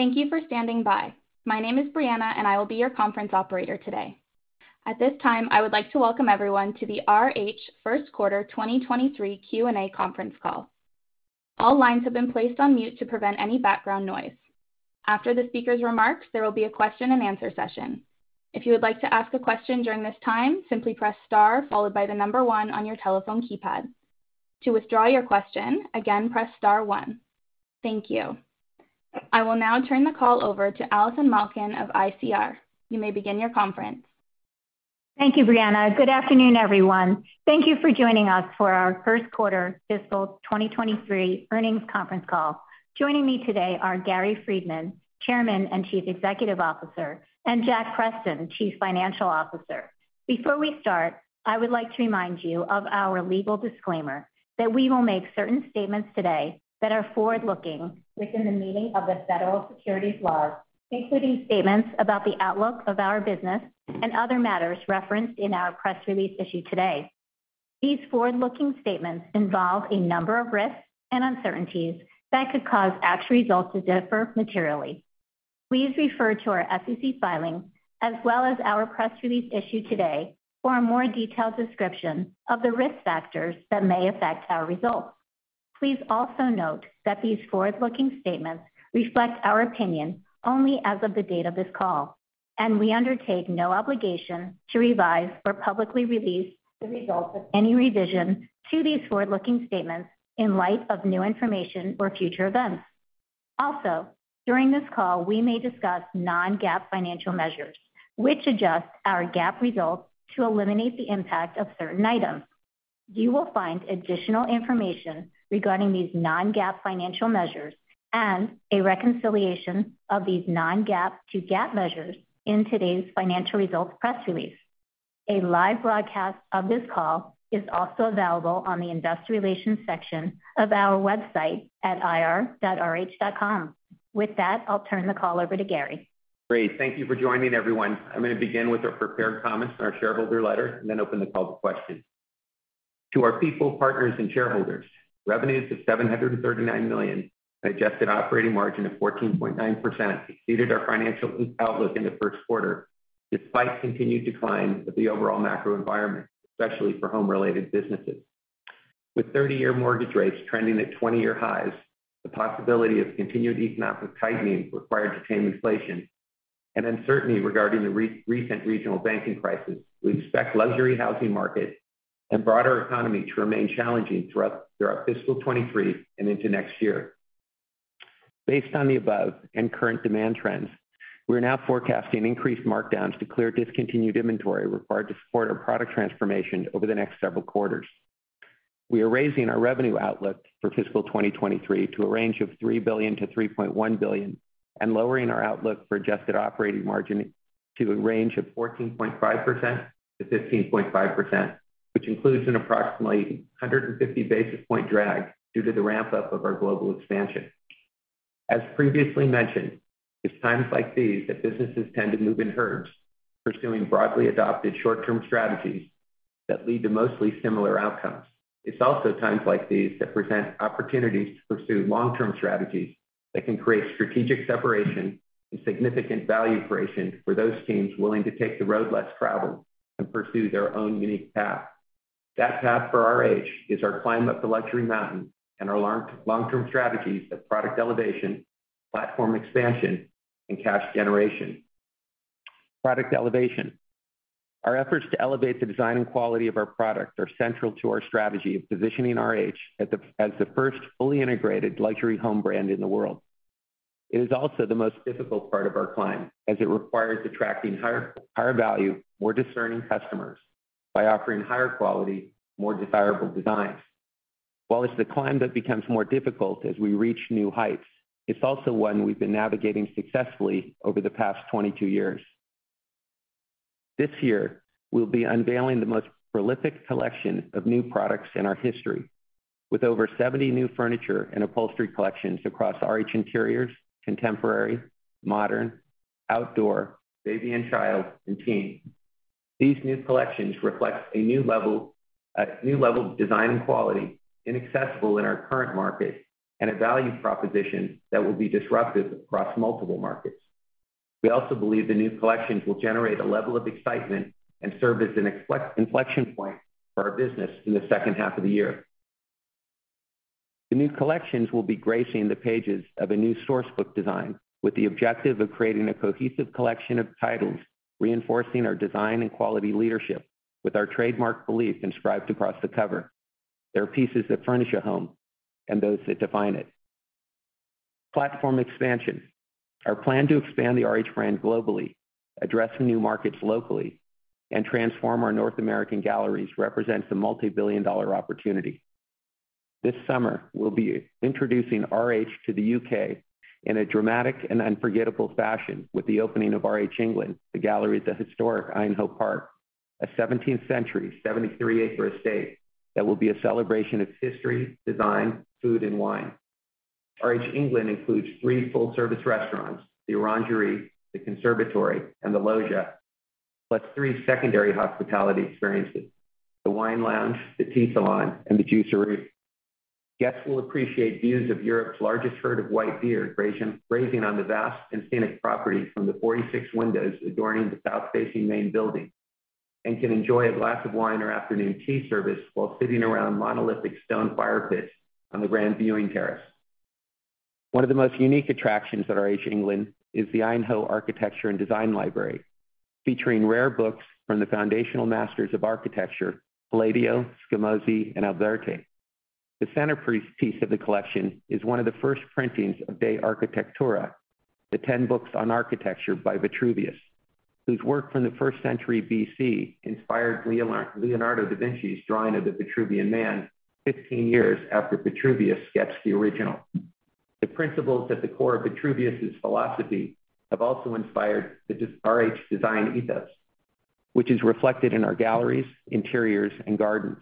Thank you for standing by. My name is Brianna, and I will be your conference operator today. At this time, I would like to welcome everyone to the RH First Quarter 2023 Q&A conference call. All lines have been placed on mute to prevent any background noise. After the speaker's remarks, there will be a question-and-answer session. If you would like to ask a question during this time, simply press star followed by the one on your telephone keypad. To withdraw your question, again, press star one. Thank you. I will now turn the call over to Allison Malkin of ICR. You may begin your conference. Thank you, Brianna. Good afternoon, everyone. Thank you for joining us for our first quarter fiscal 2023 earnings conference call. Joining me today are Gary Friedman, Chairman and Chief Executive Officer, and Jack Preston, Chief Financial Officer. Before we start, I would like to remind you of our legal disclaimer that we will make certain statements today that are forward-looking within the meaning of the federal securities laws, including statements about the outlook of our business and other matters referenced in our press release issued today. These forward-looking statements involve a number of risks and uncertainties that could cause actual results to differ materially. Please refer to our SEC filings as well as our press release issued today for a more detailed description of the risk factors that may affect our results. Please also note that these forward-looking statements reflect our opinion only as of the date of this call. And we undertake no obligation to revise or publicly release the results of any revision to these forward-looking statements in light of new information or future events. Also, during this call, we may discuss non-GAAP financial measures, which adjust our GAAP results to eliminate the impact of certain items. You will find additional information regarding these non-GAAP financial measures and a reconciliation of these non-GAAP to GAAP measures in today's financial results press release. A live broadcast of this call is also available on the investor relations section of our website at ir.rh.com. With that, I'll turn the call over to Gary. Great. Thank you for joining everyone. I'm going to begin with our prepared comments and our shareholder letter and then open the call to questions. To our people, partners, and shareholders, revenues of $739 million and adjusted operating margin of 14.9% exceeded our financial outlook in the first quarter, despite continued decline of the overall macro environment, especially for home-related businesses. With 30-year mortgage rates trending at 20-year highs, the possibility of continued economic tightening required to tame inflation and uncertainty regarding the recent regional banking crisis, we expect luxury housing market and broader economy to remain challenging throughout fiscal 2023 and into next year. Based on the above and current demand trends, we are now forecasting increased markdowns to clear discontinued inventory required to support our product transformation over the next several quarters. We are raising our revenue outlook for fiscal 2023 to a range of $3 billion-$3.1 billion and lowering our outlook for adjusted operating margin to a range of 14.5%-15.5%, which includes an approximately 150 basis point drag due to the ramp-up of our global expansion. As previously mentioned, it's times like these that businesses tend to move in herds, pursuing broadly adopted short-term strategies that lead to mostly similar outcomes. It's also times like these that present opportunities to pursue long-term strategies that can create strategic separation and significant value creation for those teams willing to take the road less traveled and pursue their own unique path. That path for RH is our climb up the luxury mountain and our long, long-term strategies of product elevation, platform expansion, and cash generation. Product elevation. Our efforts to elevate the design and quality of our product are central to our strategy of positioning RH as the first fully integrated luxury home brand in the world. It is also the most difficult part of our climb, as it requires attracting higher value, more discerning customers by offering higher quality, more desirable designs. While it's the climb that becomes more difficult as we reach new heights, it's also one we've been navigating successfully over the past 22 years. This year, we'll be unveiling the most prolific collection of new products in our history, with over 70 new furniture and upholstery collections across RH Interiors, Contemporary, Modern, Outdoor, Baby & Child, and Teen. These new collections reflect a new level of design and quality inaccessible in our current market and a value proposition that will be disruptive across multiple markets. We also believe the new collections will generate a level of excitement and serve as an inflection point for our business in the 2nd half of the year. The new collections will be gracing the pages of a new Source Book design, with the objective of creating a cohesive collection of titles, reinforcing our design and quality leadership with our trademark belief inscribed across the cover. "There are pieces that furnish a home and those that define it." Platform expansion. Our plan to expand the RH brand globally, addressing new markets locally and transform our North American galleries represents a multi-billion-dollar opportunity. This summer, we'll be introducing RH to the U.K. in a dramatic and unforgettable fashion with the opening of RH England, the galleries at historic Aynhoe Park, a 17th-century, 73-acre estate that will be a celebration of history, design, food, and wine. RH England includes three full-service restaurants, the Orangery, the Conservatory, and the Loggia, plus three secondary hospitality experiences: the wine lounge, the tea salon, and the juicery. Guests will appreciate views of Europe's largest herd of white deer grazing on the vast and scenic property from the 46 windows adorning the south-facing main building, and can enjoy a glass of wine or afternoon tea service while sitting around monolithic stone fire pits on the grand viewing terrace. One of the most unique attractions at RH England is the Aynhoe Architecture and Design Library, featuring rare books from the foundational masters of architecture, Palladio, Scamozzi, and Alberti. The centerpiece piece of the collection is one of the 1st printings of De architectura, the 10 books on architecture by Vitruvius, whose work from the 1st century BC inspired Leonardo da Vinci's drawing of the Vitruvian Man 15 years after Vitruvius sketched the original. The principles at the core of Vitruvius's philosophy have also inspired the RH design ethos, which is reflected in our galleries, interiors, and gardens.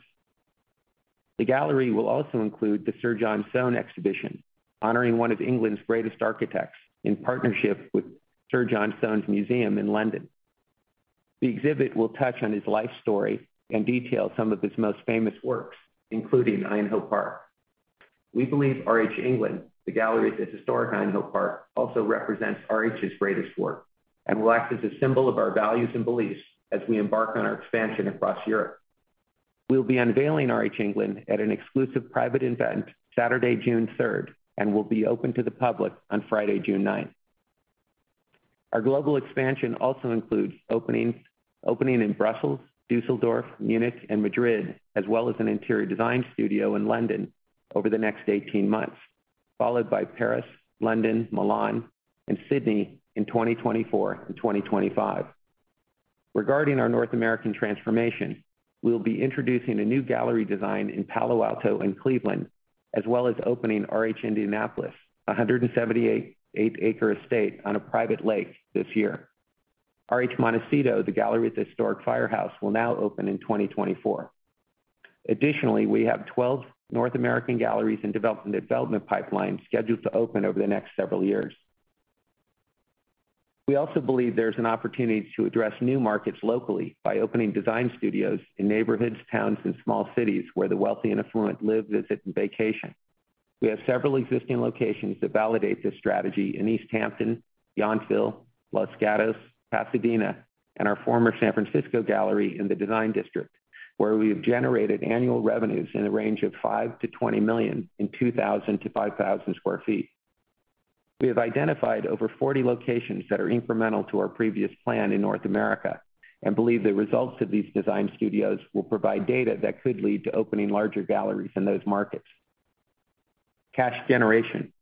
The gallery will also include the Sir John Soane exhibition, honoring one of England's greatest architects in partnership with Sir John Soane's Museum in London. The exhibit will touch on his life story and detail some of his most famous works, including Aynhoe Park. We believe RH England, the gallery's historic Aynhoe Park, also represents RH's greatest work and will act as a symbol of our values and beliefs as we embark on our expansion across Europe. We'll be unveiling RH England at an exclusive private event, Saturday, June third, and will be open to the public on Friday, June ninth. Our global expansion also includes opening in Brussels, Dusseldorf, Munich, and Madrid, as well as an interior design studio in London over the next 18 months, followed by Paris, London, Milan, and Sydney in 2024 and 2025. Regarding our North American transformation, we'll be introducing a new gallery design in Palo Alto and Cleveland, as well as opening RH Indianapolis, a 178 acre estate on a private lake this year. RH Montecito, the gallery's historic firehouse, will now open in 2024. Additionally, we have 12 North American galleries in development pipeline, scheduled to open over the next several years. We also believe there's an opportunity to address new markets locally by opening design studios in neighborhoods, towns, and small cities where the wealthy and affluent live, visit, and vacation. We have several existing locations that validate this strategy in East Hampton, Yountville, Los Gatos, Pasadena, and our former San Francisco gallery in the Design District, where we have generated annual revenues in the range of $5 million-$20 million in 2,000-5,000 sq ft. We have identified over 40 locations that are incremental to our previous plan in North America and believe the results of these design studios will provide data that could lead to opening larger galleries in those markets. Cash generation.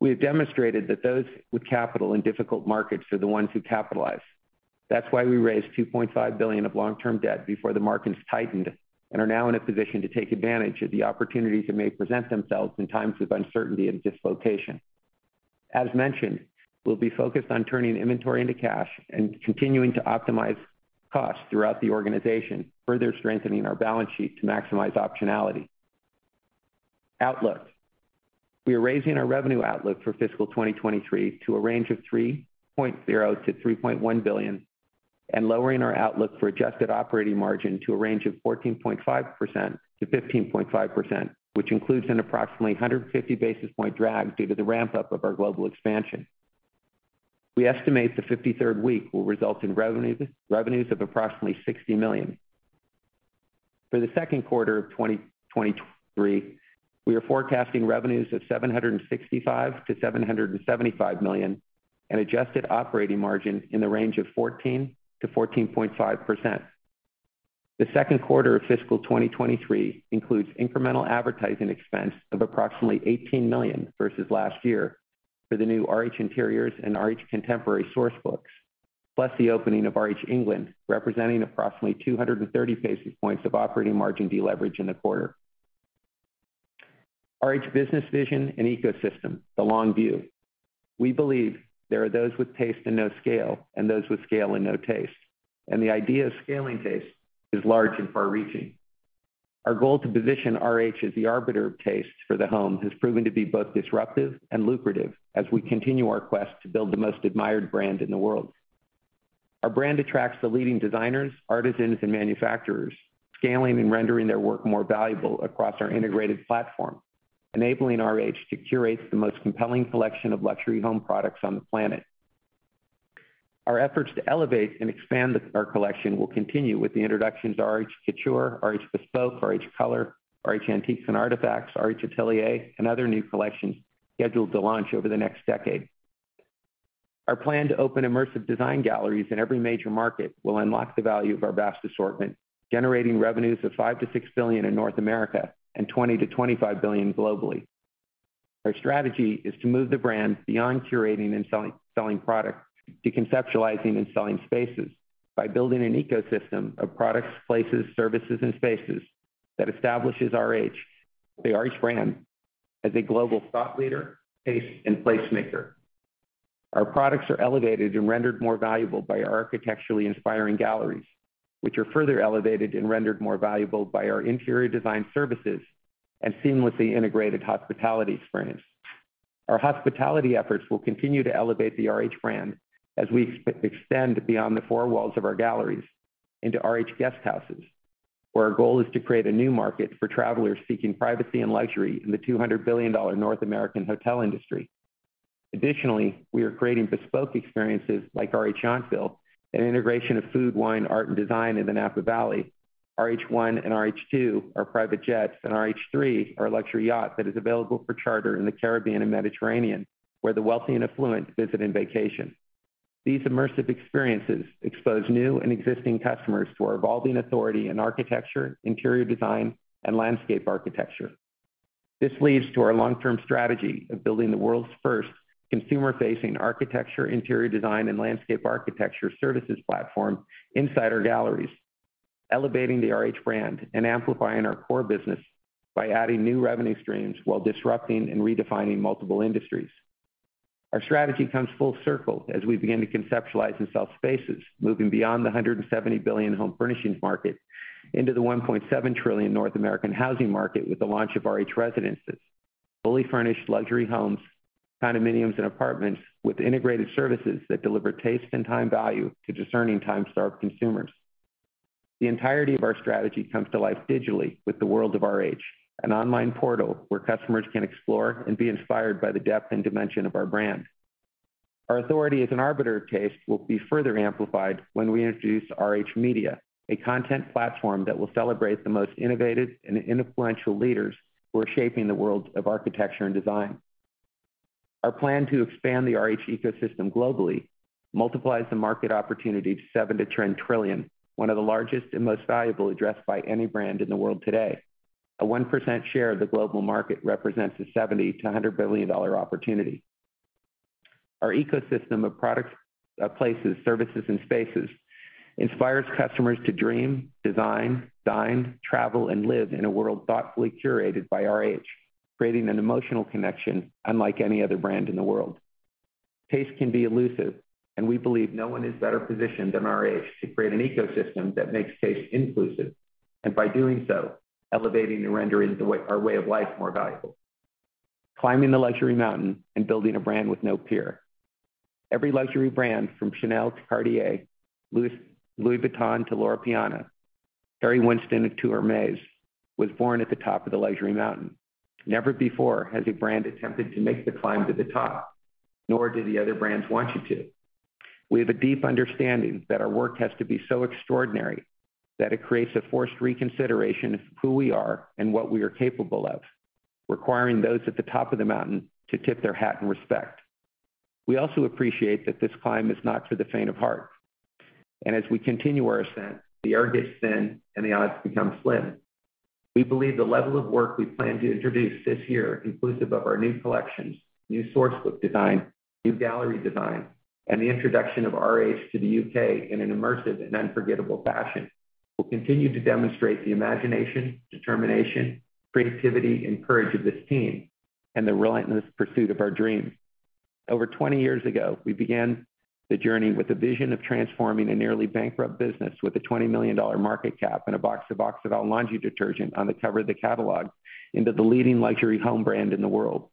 We have demonstrated that those with capital in difficult markets are the ones who capitalize. That's why we raised $2.5 billion of long-term debt before the markets tightened and are now in a position to take advantage of the opportunities that may present themselves in times of uncertainty and dislocation. As mentioned, we'll be focused on turning inventory into cash and continuing to optimize costs throughout the organization, further strengthening our balance sheet to maximize optionality. Outlook. We are raising our revenue outlook for fiscal 2023 to a range of $3.0 billion-$3.1 billion, and lowering our outlook for adjusted operating margin to a range of 14.5%-15.5%, which includes an approximately 150 basis point drag due to the ramp-up of our global expansion. We estimate the 53rd week will result in revenues of approximately $60 million. For the second quarter of 2023, we are forecasting revenues of $765 million-$775 million and adjusted operating margin in the range of 14%-14.5%. The second quarter of fiscal 2023 includes incremental advertising expense of approximately $18 million versus last year for the new RH Interiors and RH Contemporary Sourcebooks, plus the opening of RH England, representing approximately 230 basis points of operating margin deleverage in the quarter. RH business vision and ecosystem, the long view. We believe there are those with taste and no scale and those with scale and no taste, and the idea of scaling taste is large and far-reaching. Our goal to position RH as the arbiter of taste for the home has proven to be both disruptive and lucrative as we continue our quest to build the most admired brand in the world. Our brand attracts the leading designers, artisans, and manufacturers, scaling and rendering their work more valuable across our integrated platform, enabling RH to curate the most compelling collection of luxury home products on the planet. Our efforts to elevate and expand our collection will continue with the introductions of RH Couture, RH Bespoke, RH Color, RH Antiques & Artifacts, RH Atelier, and other new collections scheduled to launch over the next decade. Our plan to open immersive design galleries in every major market will unlock the value of our vast assortment, generating revenues of $5 billion-$6 billion in North America and $20 billion-$25 billion globally. Our strategy is to move the brand beyond curating and selling products, to conceptualizing and selling spaces by building an ecosystem of products, places, services, and spaces that establishes RH, the RH brand, as a global thought leader, taste, and place maker. Our products are elevated and rendered more valuable by our architecturally inspiring galleries, which are further elevated and rendered more valuable by our interior design services and seamlessly integrated hospitality experience. Our hospitality efforts will continue to elevate the RH brand as we extend beyond the four walls of our galleries into RH Guesthouses, where our goal is to create a new market for travelers seeking privacy and luxury in the $200 billion North American hotel industry. Additionally, we are creating bespoke experiences like RH Yountville, an integration of food, wine, art, and design in the Napa Valley. RH One and RH Two are private jets, RH Three, are a luxury yacht that is available for charter in the Caribbean and Mediterranean, where the wealthy and affluent visit and vacation. These immersive experiences expose new and existing customers to our evolving authority in architecture, interior design, and landscape architecture. This leads to our long-term strategy of building the world's first consumer-facing architecture, interior design, and landscape architecture services platform inside our galleries, elevating the RH brand and amplifying our core business by adding new revenue streams while disrupting and redefining multiple industries. Our strategy comes full circle as we begin to conceptualize and sell spaces, moving beyond the $170 billion home furnishings market into the $1.7 trillion North American housing market with the launch of RH Residences, fully furnished luxury homes, condominiums, and apartments with integrated services that deliver taste and time value to discerning, time-starved consumers. The entirety of our strategy comes to life digitally with the World of RH, an online portal where customers can explore and be inspired by the depth and dimension of our brand. Our authority as an arbiter of taste will be further amplified when we introduce RH Media, a content platform that will celebrate the most innovative and influential leaders who are shaping the world of architecture and design. Our plan to expand the RH ecosystem globally multiplies the market opportunity to $7 trillion-$10 trillion, one of the largest and most valuable addressed by any brand in the world today. A 1% share of the global market represents a $70 billion-$100 billion opportunity. Our ecosystem of products, places, services, and spaces inspires customers to dream, design, dine, travel, and live in a world thoughtfully curated by RH, creating an emotional connection unlike any other brand in the world. Taste can be elusive, and we believe no one is better positioned than RH to create an ecosystem that makes taste inclusive, and by doing so, elevating and rendering our way of life more valuable. Climbing the luxury mountain and building a brand with no peer. Every luxury brand, from Chanel to Cartier, Louis Vuitton to Loro Piana, Harry Winston to Hermès, was born at the top of the luxury mountain. Never before has a brand attempted to make the climb to the top, nor do the other brands want you to. We have a deep understanding that our work has to be so extraordinary that it creates a forced reconsideration of who we are and what we are capable of, requiring those at the top of the mountain to tip their hat in respect. We also appreciate that this climb is not for the faint of heart, and as we continue our ascent, the air gets thin and the odds become slim. We believe the level of work we plan to introduce this year, inclusive of our new collections, new Sourcebook design, new gallery design, and the introduction of RH to the UK in an immersive and unforgettable fashion, will continue to demonstrate the imagination, determination, creativity, and courage of this team and the relentless pursuit of our dreams. Over 20 years ago, we began the journey with a vision of transforming a nearly bankrupt business with a $20 million market cap and a box of OXO laundry detergent on the cover of the catalog into the leading luxury home brand in the world.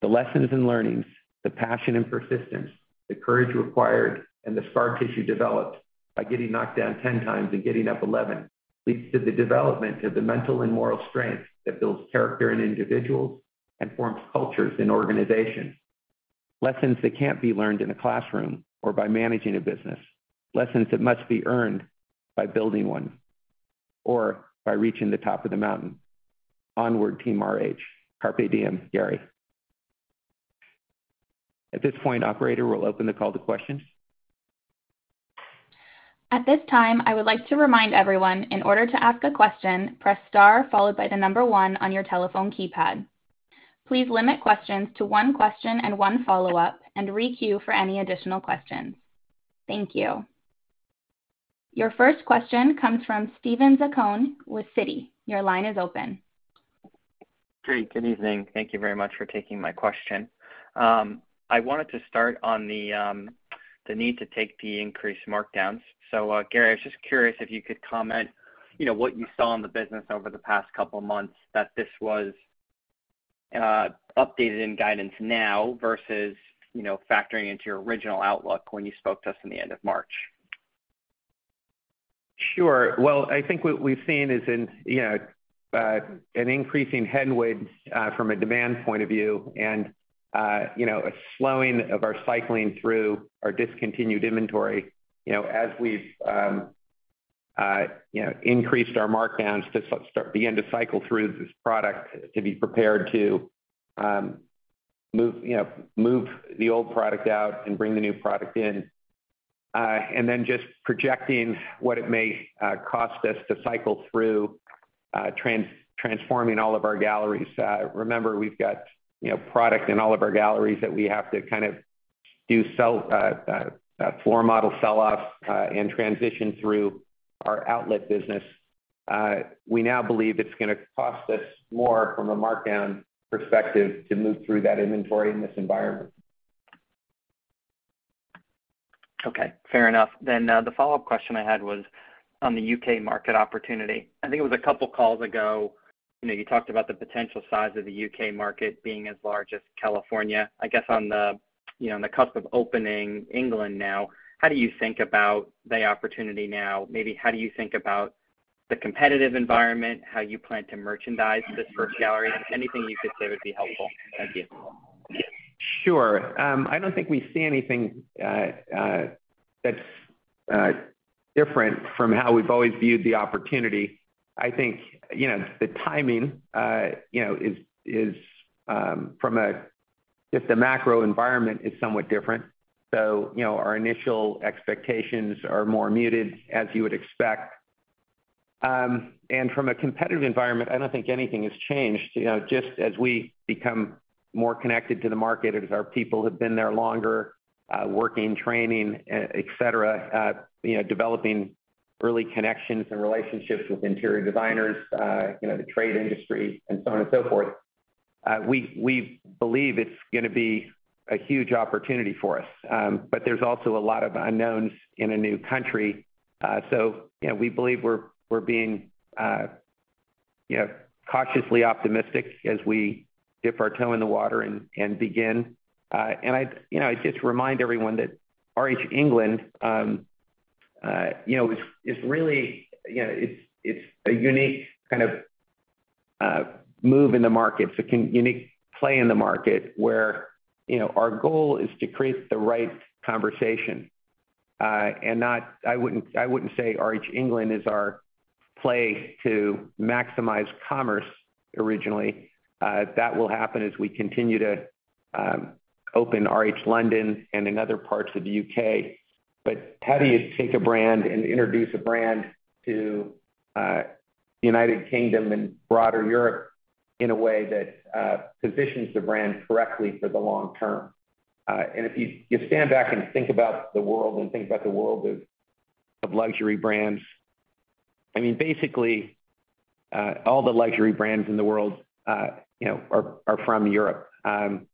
The lessons and learnings, the passion and persistence, the courage required, and the scar tissue developed by getting knocked down 10 times and getting up 11, leads to the development of the mental and moral strength that builds character in individuals and forms cultures in organizations. Lessons that can't be learned in a classroom or by managing a business. Lessons that must be earned by building one or by reaching the top of the mountain. Onward, Team RH. Carpe diem, Gary. At this point, operator, we'll open the call to questions. At this time, I would like to remind everyone, in order to ask a question, press star followed by the number one on your telephone keypad. Please limit questions to one question and one follow-up, and re-queue for any additional questions. Thank you. Your first question comes from Steven Zaccone with Citi. Your line is open. Great, good evening. Thank you very much for taking my question. I wanted to start on the need to take the increased markdowns. So Gary, I was just curious if you could comment, you know, what you saw in the business over the past couple of months, that this was updated in guidance now versus, you know, factoring into your original outlook when you spoke to us in the end of March? Sure. Well, I think what we've seen is an, you know, an increasing headwind from a demand point of view and, you know, a slowing of our cycling through our discontinued inventory. You know, as we've, you know, increased our markdowns to begin to cycle through this product, to be prepared to move, you know, move the old product out and bring the new product in. Just projecting what it may cost us to cycle through transforming all of our galleries. Remember, we've got, you know, product in all of our galleries that we have to kind of do sell floor model sell-offs and transition through our outlet business. We now believe it's gonna cost us more from a markdown perspective to move through that inventory in this environment. Okay, fair enough. The follow-up question I had was on the U.K. market opportunity. I think it was a couple calls ago, you know, you talked about the potential size of the U.K. market being as large as California. I guess on the, you know, on the cusp of opening RH England now, how do you think about the opportunity now? Maybe how do you think about the competitive environment, how you plan to merchandise this first gallery? Anything you could say would be helpful. Thank you. Sure. I don't think we see anything that's different from how we've always viewed the opportunity. I think, you know, the timing, you know, is just the macro environment is somewhat different. You know, our initial expectations are more muted, as you would expect. From a competitive environment, I don't think anything has changed. You know, just as we become more connected to the market, as our people have been there longer, working, training, et cetera, at developing early connections and relationships with interior designers, you know, the trade industry and so on and so forth, we believe it's gonna be a huge opportunity for us. There's also a lot of unknowns in a new country. You know, we believe we're being, you know, cautiously optimistic as we dip our toe in the water and begin. I, you know, I just remind everyone that RH England, you know, is really, you know, it's a unique kind of move in the market. It's a unique play in the market, where, you know, our goal is to create the right conversation and not I wouldn't say RH England is our play to maximize commerce originally. That will happen as we continue to open RH London and in other parts of the UK. How do you take a brand and introduce a brand to the United Kingdom and broader Europe in a way that positions the brand correctly for the long term? If you stand back and think about the world and think about the world of luxury brands, I mean, basically, all the luxury brands in the world, you know, are from Europe, and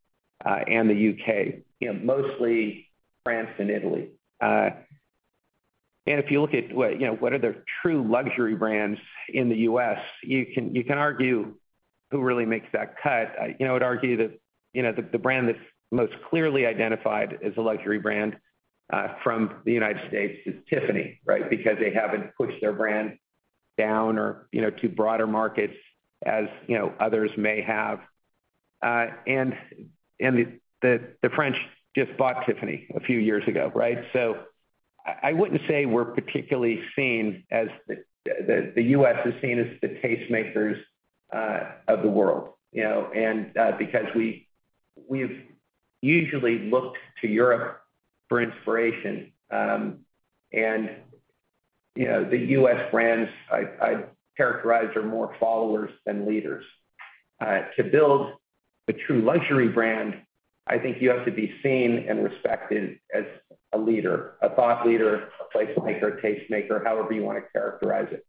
the U.K., you know, mostly France and Italy. If you look at what, you know, what are the true luxury brands in the U.S., you can argue who really makes that cut. You know, I'd argue that, you know, the brand that's most clearly identified as a luxury brand from the United States is Tiffany, right? They haven't pushed their brand down or, you know, to broader markets, as, you know, others may have. The French just bought Tiffany a few years ago, right? I wouldn't say we're particularly seen as the US is seen as the tastemakers of the world, you know, because we've usually looked to Europe for inspiration. You know, the US brands, I'd characterize, are more followers than leaders. To build a true luxury brand, I think you have to be seen and respected as a leader, a thought leader, a placemaker, tastemaker, however you want to characterize it.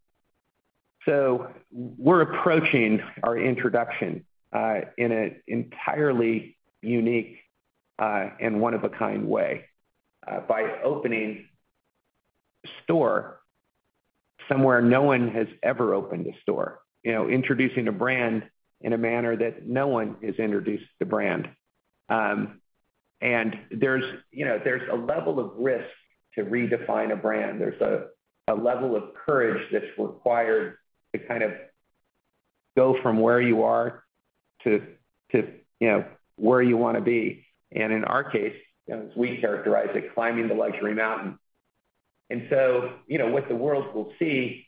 We're approaching our introduction in an entirely unique and one-of-a-kind way by opening a store somewhere no one has ever opened a store. You know, introducing a brand in a manner that no one has introduced a brand. There's, you know, there's a level of risk to redefine a brand. There's a level of courage that's required to kind of go from where you are to, you know, where you wanna be. In our case, you know, as we characterize it, climbing the luxury mountain. What the world will see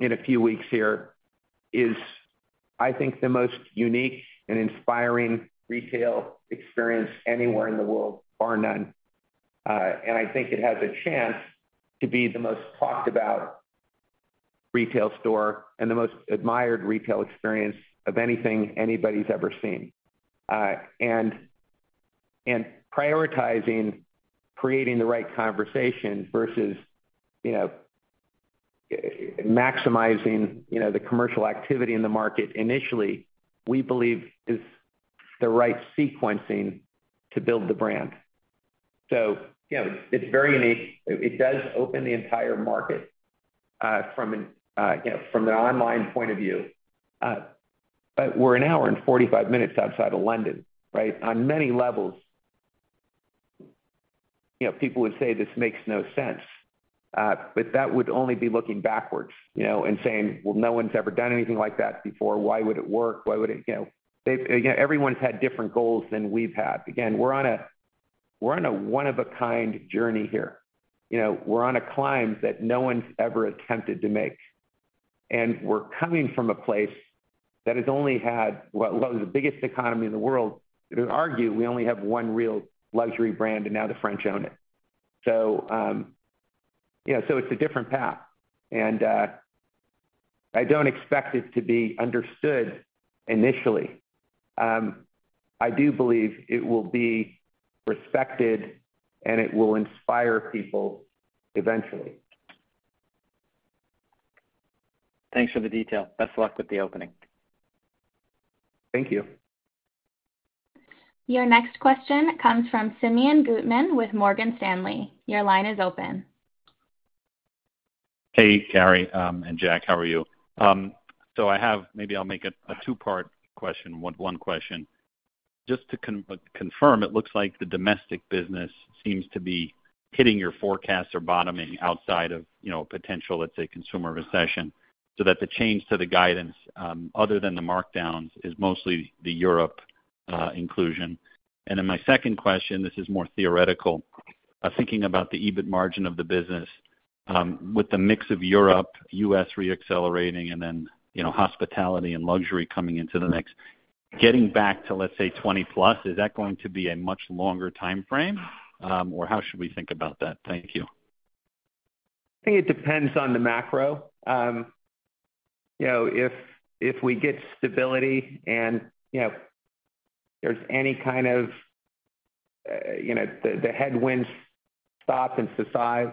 in a few weeks here is, I think, the most unique and inspiring retail experience anywhere in the world, bar none. I think it has a chance to be the most talked about retail store and the most admired retail experience of anything anybody's ever seen. Prioritizing, creating the right conversation versus, you know, maximizing, you know, the commercial activity in the market initially, we believe is the right sequencing to build the brand. It's very unique. It does open the entire market, from an, you know, from an online point of view. We're 1 hour and 45 minutes outside of London, right? On many levels, you know, people would say, "This makes no sense." That would only be looking backwards, you know, and saying, "Well, no one's ever done anything like that before. Why would it work? Why would it..." You know, everyone's had different goals than we've had. Again, we're on a, we're on a 1 of a kind journey here. You know, we're on a climb that no one's ever attempted to make, and we're coming from a place that has only had what was the biggest economy in the world. You could argue we only have 1 real luxury brand, and now the French own it. You know, so it's a different path, and I don't expect it to be understood initially. I do believe it will be respected, and it will inspire people eventually. Thanks for the detail. Best of luck with the opening. Thank you. Your next question comes from Simeon Gutman with Morgan Stanley. Your line is open. Hey, Gary, and Jack, how are you? So I have, maybe I'll make it a two-part question, one question. Just to confirm, it looks like the domestic business seems to be hitting your forecast or bottoming outside of, you know, potential, let's say, consumer recession, so that the change to the guidance, other than the markdowns, is mostly the Europe inclusion. My second question, this is more theoretical. Thinking about the EBIT margin of the business, with the mix of Europe, US reaccelerating, and then, you know, hospitality and luxury coming into the mix. Getting back to, let's say, 20+, is that going to be a much longer timeframe? Or how should we think about that? Thank you. I think it depends on the macro. If we get stability and, you know, there's any kind of, you know, the headwinds stop and subside,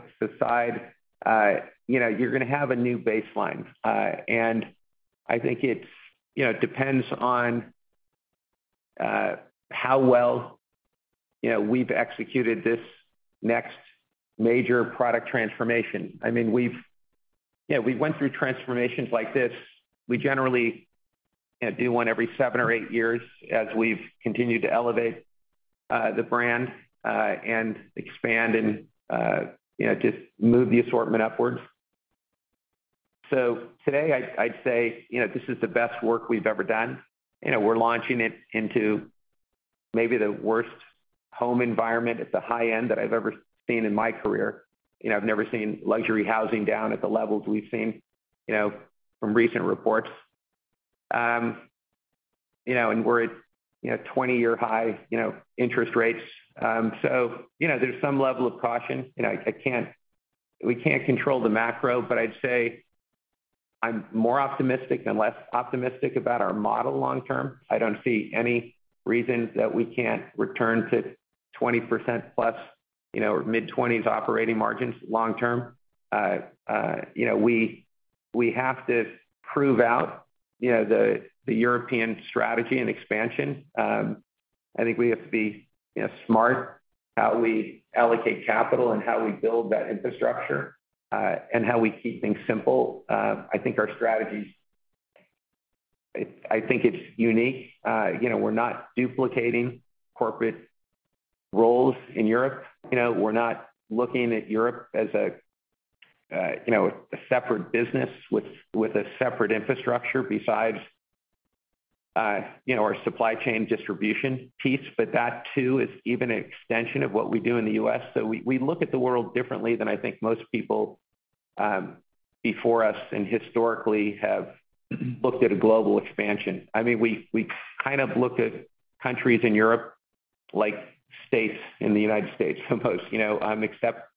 you know, you're gonna have a new baseline. I think it's, you know, depends on how well, you know, we've executed this next major product transformation. I mean, we've, you know, we went through transformations like this. We generally, you know, do one every seven or eight years as we've continued to elevate the brand and expand and, you know, just move the assortment upwards. Today, I'd say, you know, this is the best work we've ever done. You know, we're launching it into maybe the worst home environment at the high end that I've ever seen in my career. You know, I've never seen luxury housing down at the levels we've seen, you know, from recent reports. You know, and we're at, you know, 20-year high, you know, interest rates. You know, there's some level of caution, and I, we can't control the macro, but I'd say I'm more optimistic than less optimistic about our model long term. I don't see any reason that we can't return to 20% plus, you know, mid-20s operating margins long term. You know, we have to prove out, you know, the European strategy and expansion. I think we have to be, you know, smart how we allocate capital and how we build that infrastructure, and how we keep things simple. I think our strategies, I think it's unique. You know, we're not duplicating corporate roles in Europe. You know, we're not looking at Europe as a, you know, a separate business with a separate infrastructure besides, you know, our supply chain distribution piece. That too, is even an extension of what we do in the U.S. We look at the world differently than I think most people before us and historically have looked at a global expansion. I mean, we kind of look at countries in Europe, like states in the United States almost, you know, except,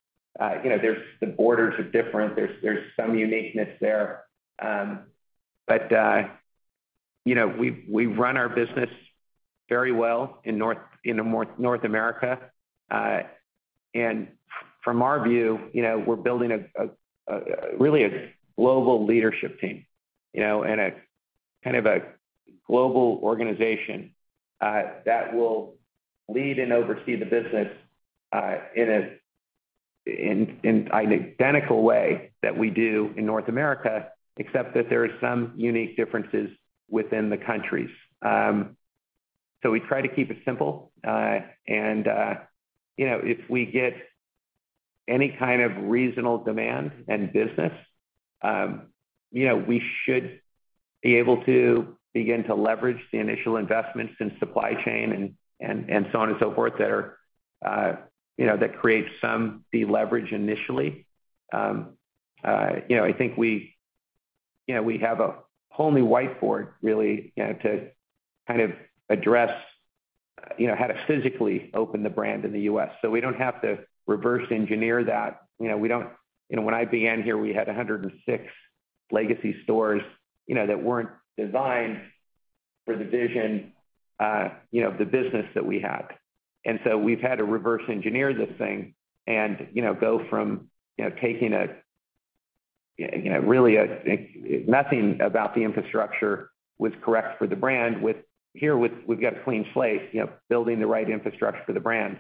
you know, there's the borders are different. There's some uniqueness there. You know, we run our business very well in North America. From our view, you know, we're building a really a global leadership team, you know, and a kind of a global organization that will lead and oversee the business in an identical way that we do in North America, except that there are some unique differences within the countries. We try to keep it simple. You know, if we get any kind of reasonable demand and business, you know, we should be able to begin to leverage the initial investments in supply chain and so on and so forth, that are, you know, that create some deleverage initially. You know, I think we, you know, we have a whole new whiteboard, really, you know, to kind of address, you know, how to physically open the brand in the U.S. We don't have to reverse engineer that. You know, when I began here, we had 106 legacy stores, you know, that weren't designed for the vision, you know, the business that we had. We've had to reverse engineer this thing and, you know, go from, you know, taking a, really, nothing about the infrastructure was correct for the brand. With here, we've got a clean slate, you know, building the right infrastructure for the brand.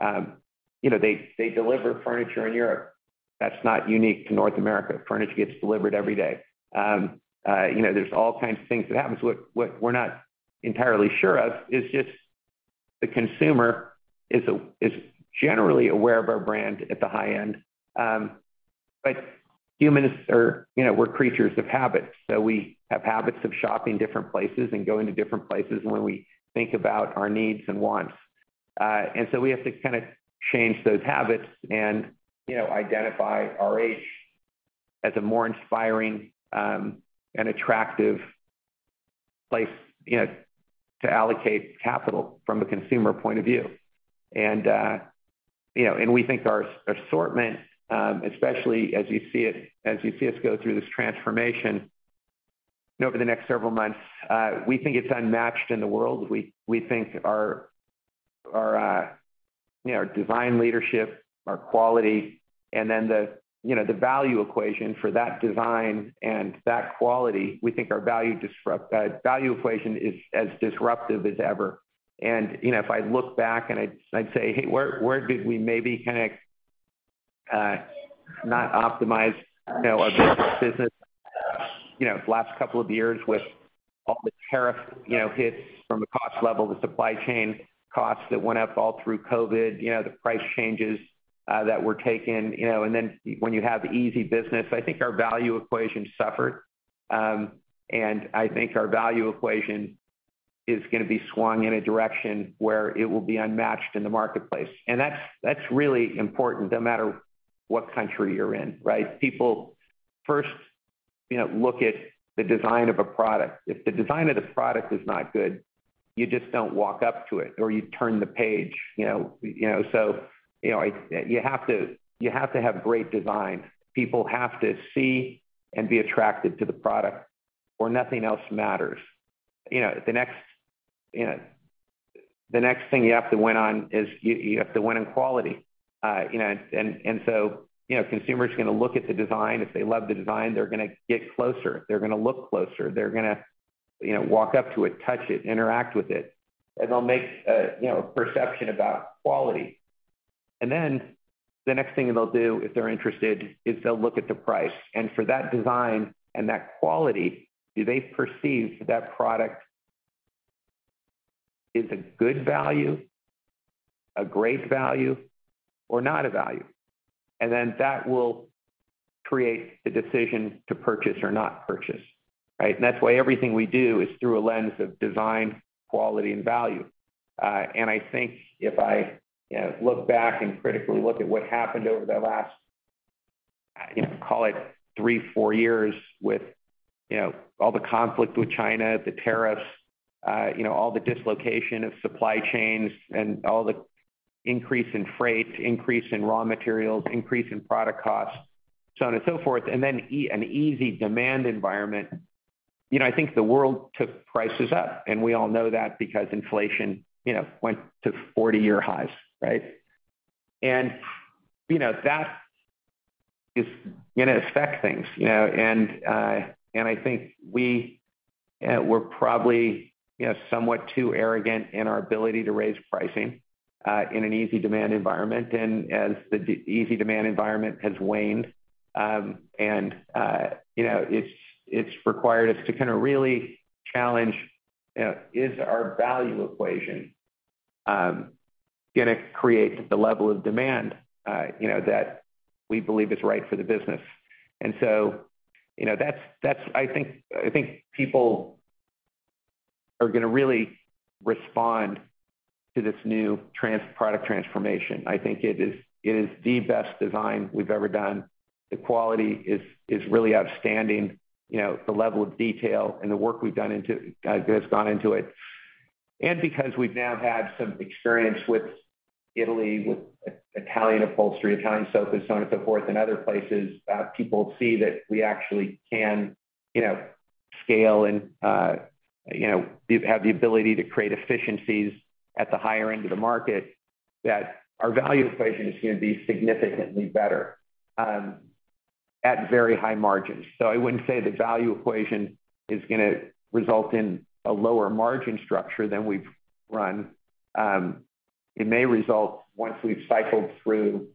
You know, they deliver furniture in Europe. That's not unique to North America. Furniture gets delivered every day. You know, there's all kinds of things that happens. What, what we're not entirely sure of is just the consumer is generally aware of our brand at the high end. Humans are, you know, we're creatures of habit, so we have habits of shopping different places and going to different places when we think about our needs and wants. So we have to kind of change those habits and, you know, identify RH as a more inspiring, and attractive place, you know, to allocate capital from a consumer point of view. We think our assortment, especially as you see us go through this transformation over the next several months, we think it's unmatched in the world. We, we think our, you know, our design leadership, our quality, and then the, you know, the value equation for that design and that quality. We think our value equation is as disruptive as ever. You know, if I look back and I'd say: Hey, where did we maybe kind of, not optimize, you know, our business, you know, last couple of years with all the tariff, you know, hits from a cost level, the supply chain costs that went up all through COVID, you know, the price changes, that were taken, you know, and then when you have easy business, I think our value equation suffered. I think our value equation is gonna be swung in a direction where it will be unmatched in the marketplace. That's really important, no matter what country you're in, right? People first, you know, look at the design of a product. If the design of the product is not good, you just don't walk up to it, or you turn the page, you know? You know, you have to have great design. People have to see and be attracted to the product, or nothing else matters. You know, the next, you know, the next thing you have to win on is you have to win on quality. You know, consumers are gonna look at the design. If they love the design, they're gonna get closer. They're gonna look closer. They're gonna, you know, walk up to it, touch it, interact with it, and they'll make a, you know, perception about quality. The next thing they'll do, if they're interested, is they'll look at the price. For that design and that quality, do they perceive that product is a good value, a great value, or not a value? That will create the decision to purchase or not purchase, right? That's why everything we do is through a lens of design, quality, and value. I think if I, you know, look back and critically look at what happened over the last, you know, call it three, four years with, you know, all the conflict with China, the tariffs, you know, all the dislocation of supply chains and all the increase in freight, increase in raw materials, increase in product costs, so on and so forth, and then an easy demand environment. I think the world took prices up, and we all know that because inflation, you know, went to 40-year highs, right? You know, that is gonna affect things, you know, and I think we were probably, you know, somewhat too arrogant in our ability to raise pricing in an easy demand environment. As the easy demand environment has waned, and you know, it's required us to kind of really challenge, is our value equation, gonna create the level of demand, you know, that we believe is right for the business? You know, that's I think people are gonna really respond to this new product transformation. I think it is the best design we've ever done. The quality is really outstanding. You know, the level of detail and the work we've done into, that's gone into it. Because we've now had some experience with Italy, with Italian upholstery, Italian sofas, so on and so forth, and other places, people see that we actually can, you know, scale and, you know, have the ability to create efficiencies at the higher end of the market, that our value equation is gonna be significantly better at very high margins. I wouldn't say the value equation is gonna result in a lower margin structure than we've run. It may result once we've cycled through,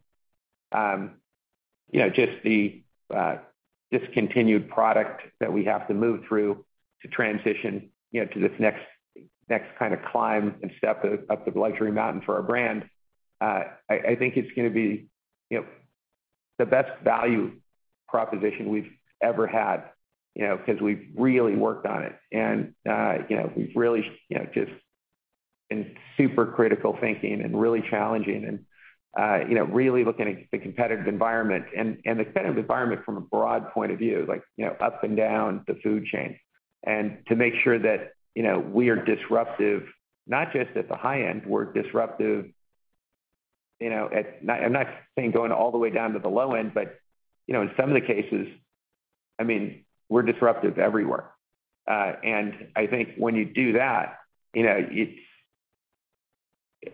you know, just the discontinued product that we have to move through to transition, you know, to this next kind of climb and step up the luxury mountain for our brand. I think it's gonna be, you know, the best value proposition we've ever had, you know, because we've really worked on it. You know, we've really, you know, just been super critical thinking and really challenging and, you know, really looking at the competitive environment and the competitive environment from a broad point of view, like, you know, up and down the food chain. To make sure that, you know, we are disruptive, not just at the high end, we're disruptive, you know, at... I'm not saying going all the way down to the low end, but, you know, in some of the cases, I mean, we're disruptive everywhere. I think when you do that, you know, it's,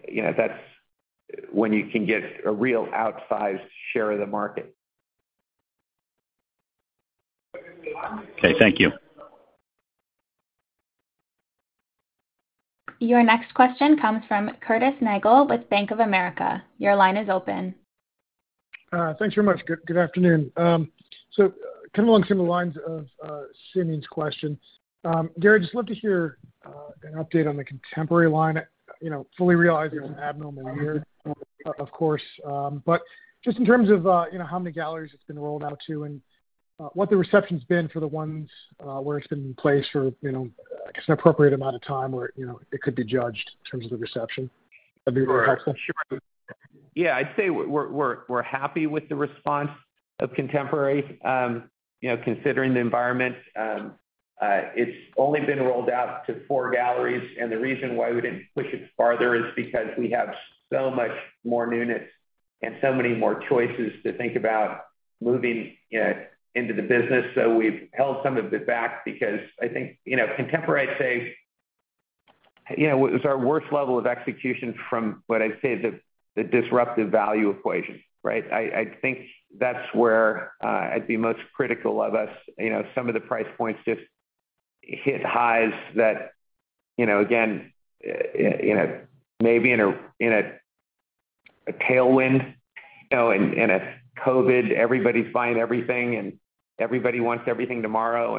you know, that's when you can get a real outsized share of the market. Okay, thank you. Your next question comes from Curtis Nagle with Bank of America. Your line is open. Thanks very much. Good, good afternoon. Kind of along similar lines of Simeon's question. Gary, I'd just love to hear an update on the Contemporary line. You know, fully realizing it's an abnormal year, of course, just in terms of, you know, how many galleries it's been rolled out to and what the reception's been for the ones where it's been in place for, you know, I guess, an appropriate amount of time where, you know, it could be judged in terms of the reception. That'd be really helpful. Sure. Yeah, I'd say we're happy with the response of Contemporary. You know, considering the environment, it's only been rolled out to four galleries, and the reason why we didn't push it farther is because we have so much more newness and so many more choices to think about moving into the business. We've held some of it back because I think, you know, Contemporary, I'd say, you know, it was our worst level of execution from what I'd say the disruptive value equation, right? I think that's where I'd be most critical of us. You know, some of the price points just hit highs that, you know, again, you know, maybe in a tailwind, you know, in a COVID, everybody's buying everything, and everybody wants everything tomorrow.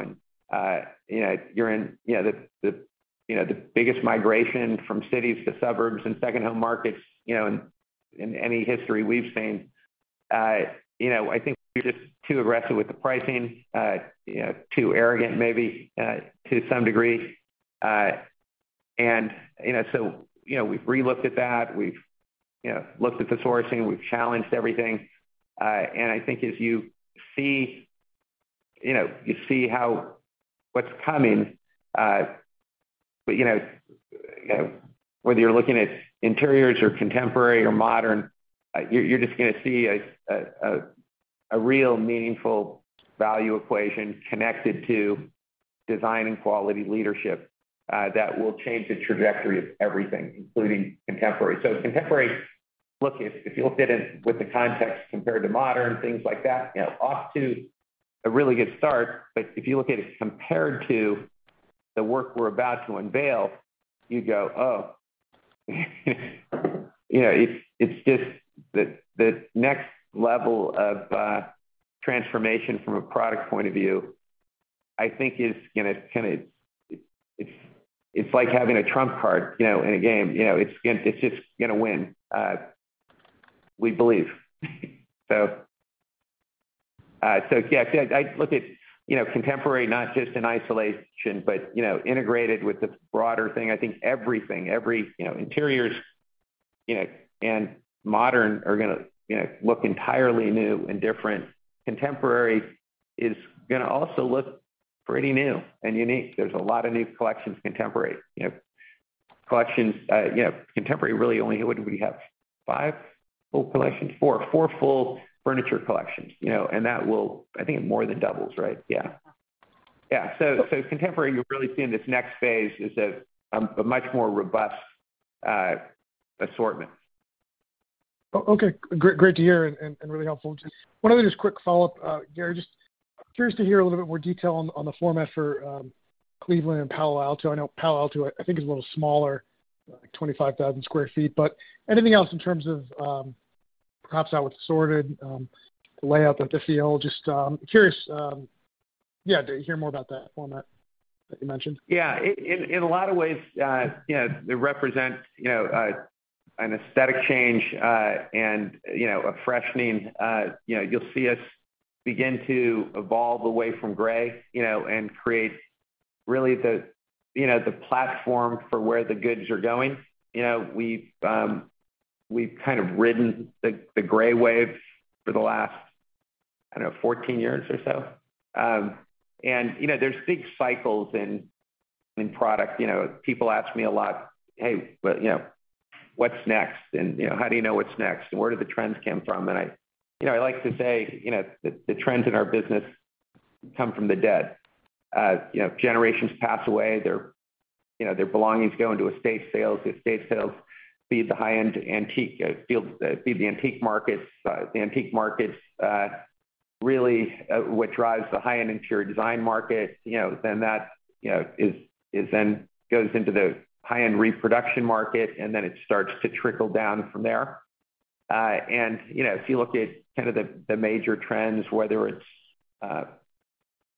You know, you're in, you know, the, you know, the biggest migration from cities to suburbs and second-home markets, you know, in any history we've seen. You know, I think we're just too aggressive with the pricing, you know, too arrogant, maybe, to some degree. You know, we've relooked at that. We've, you know, looked at the sourcing, we've challenged everything. I think as you see, you know, you see what's coming, you know, whether you're looking at interiors or contemporary or modern, you're just gonna see a real meaningful value equation connected to design and quality leadership that will change the trajectory of everything, including contemporary. Contemporary, look, if you looked at it with the context compared to Modern things like that, you know, off to a really good start. If you look at it compared to the work we're about to unveil, you go, you know, it's just the next level of transformation from a product point of view, I think is gonna kinda. It's like having a trump card, you know, in a game. It's just gonna win, we believe. Yeah, I look at, you know, Contemporary, not just in isolation, but, you know, integrated with the broader thing. I think everything, you know, Interiors, you know, and Modern are gonna, you know, look entirely new and different. Contemporary is gonna also look pretty new and unique. There's a lot of new collections, Contemporary. You know, collections, you know, Contemporary really only. What do we have? Five full collections? Four full furniture collections, you know, That will, I think, more than doubles, right? Yeah. Yeah. Contemporary, you're really seeing this next phase is a much more robust assortment. Okay, great to hear and really helpful. Just one other just quick follow-up, Gary, just curious to hear a little bit more detail on the format for Cleveland and Palo Alto. I know Palo Alto, I think, is a little smaller, like 25,000 sq ft. Anything else in terms of perhaps how it's sorted, the layout of the field? Just curious, yeah, to hear more about that format that you mentioned. Yeah. In, in a lot of ways, you know, it represents, you know, an aesthetic change, and, you know, a freshening. You know, you'll see us begin to evolve away from gray, you know, and create really the, you know, the platform for where the goods are going. You know, we've kind of ridden the gray wave for the last, I don't know, 14 years or so. You know, there's big cycles in product. You know, people ask me a lot, "Hey, well, you know, what's next? And, you know, how do you know what's next, and where do the trends come from?" And I, you know, I like to say, you know, the trends in our business come from the dead. You know, generations pass away, their, you know, their belongings go into estate sales. Estate sales feed the high-end antique fields, feed the antique markets. The antique markets, really, what drives the high-end interior design market, you know, then that, you know, is then goes into the high-end reproduction market, and then it starts to trickle down from there. You know, if you look at kind of the major trends, whether it's,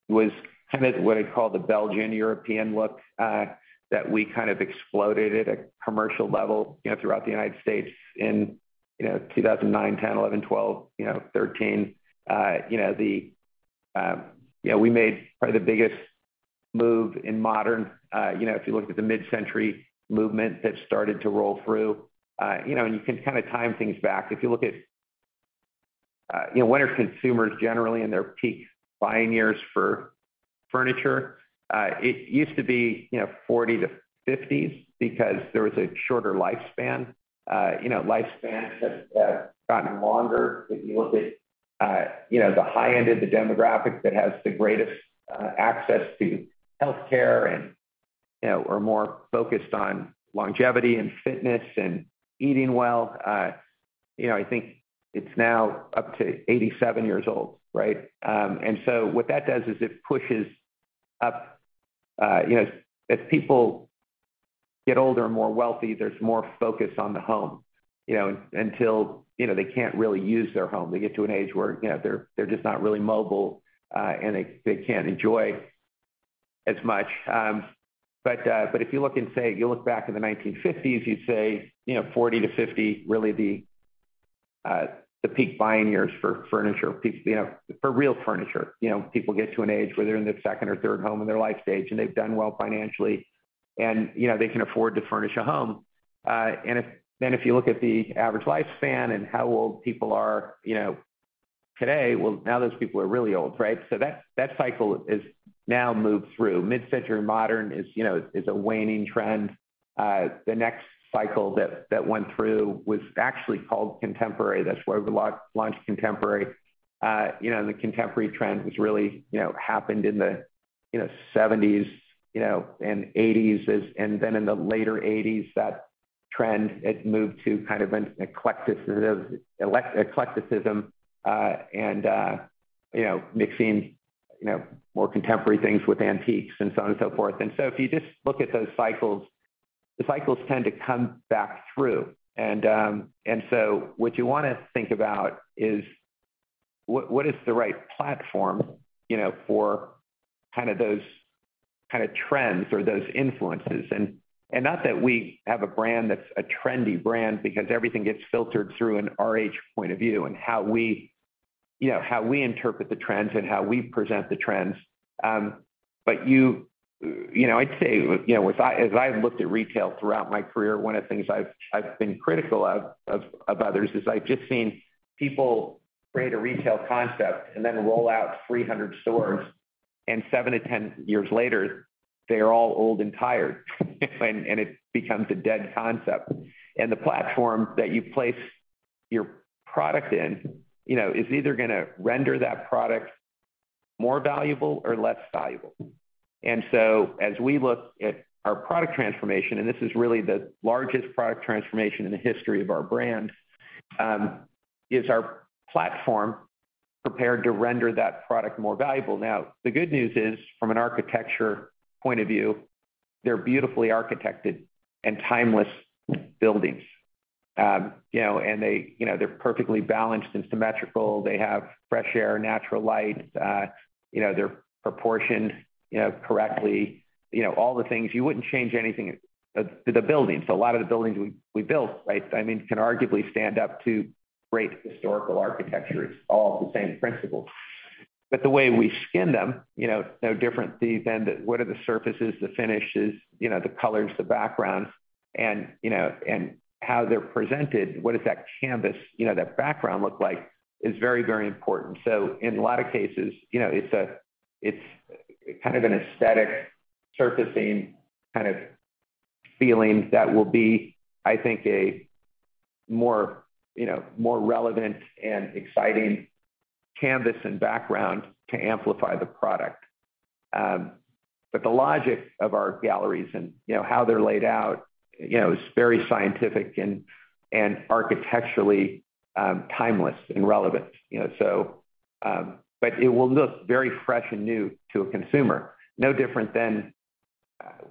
was kind of what I'd call the Belgian European look, that we kind of exploded at a commercial level, you know, throughout the United States in, you know, 2009, 2010, 2011, 2012, you know, 2013. You know, the, you know, we made probably the biggest move in modern, you know, if you looked at the mid-century movement that started to roll through. You know, you can kind of time things back. If you look at, you know, when are consumers generally in their peak buying years for furniture? It used to be, you know, 40s to 50s because there was a shorter lifespan. You know, lifespans have gotten longer. If you look at, you know, the high end of the demographic that has the greatest access to healthcare and, you know, are more focused on longevity and fitness and eating well, you know, I think it's now up to 87 years old, right? What that does is it pushes up, you know, as people get older and more wealthy, there's more focus on the home, you know, until, you know, they can't really use their home. They get to an age where, you know, they're just not really mobile, and they can't enjoy as much. If you look and say, you look back in the 1950s, you'd say, you know, 40-50, really the peak buying years for furniture, you know, for real furniture. People get to an age where they're in their second or third home in their life stage, and they've done well financially, and, you know, they can afford to furnish a home. If you look at the average lifespan and how old people are, Today, well, now those people are really old, right? That cycle is now moved through. Mid-century modern is, you know, a waning trend. The next cycle that went through was actually called Contemporary. That's where we launched Contemporary. You know, and the contemporary trend was really, you know, happened in the, you know, seventies, you know, and eighties and then in the later eighties, that trend, it moved to kind of an eclecticism, mixing, you know, more contemporary things with antiques and so on and so forth. If you just look at those cycles, the cycles tend to come back through. What you wanna think about is what is the right platform, you know, for kind of those kind of trends or those influences? Not that we have a brand that's a trendy brand, because everything gets filtered through an RH point of view and how we, you know, how we interpret the trends and how we present the trends. You know, I'd say, you know, as I, as I've looked at retail throughout my career, one of the things I've been critical of others, is I've just seen people create a retail concept and then roll out 300 stores, and 7-10 years later, they're all old and tired, and it becomes a dead concept. The platform that you place your product in, you know, is either gonna render that product more valuable or less valuable. As we look at our product transformation, and this is really the largest product transformation in the history of our brand, is our platform prepared to render that product more valuable? Now, the good news is, from an architecture point of view, they're beautifully architected and timeless buildings. You know, they, you know, they're perfectly balanced and symmetrical. They have fresh air, natural light, you know, they're proportioned, you know, correctly, you know, all the things. You wouldn't change anything to the building. A lot of the buildings we built, right, I mean, can arguably stand up to great historical architecture. It's all the same principles. But the way we skin them, you know, no different than what are the surfaces, the finishes, you know, the colors, the backgrounds, and, you know, and how they're presented, what does that canvas, you know, that background look like, is very, very important. In a lot of cases, you know, it's kind of an aesthetic surfacing, kind of feeling that will be, I think, a more, you know, more relevant and exciting canvas and background to amplify the product. The logic of our galleries and, you know, how they're laid out, you know, is very scientific and architecturally, timeless and relevant, you know. It will look very fresh and new to a consumer. No different than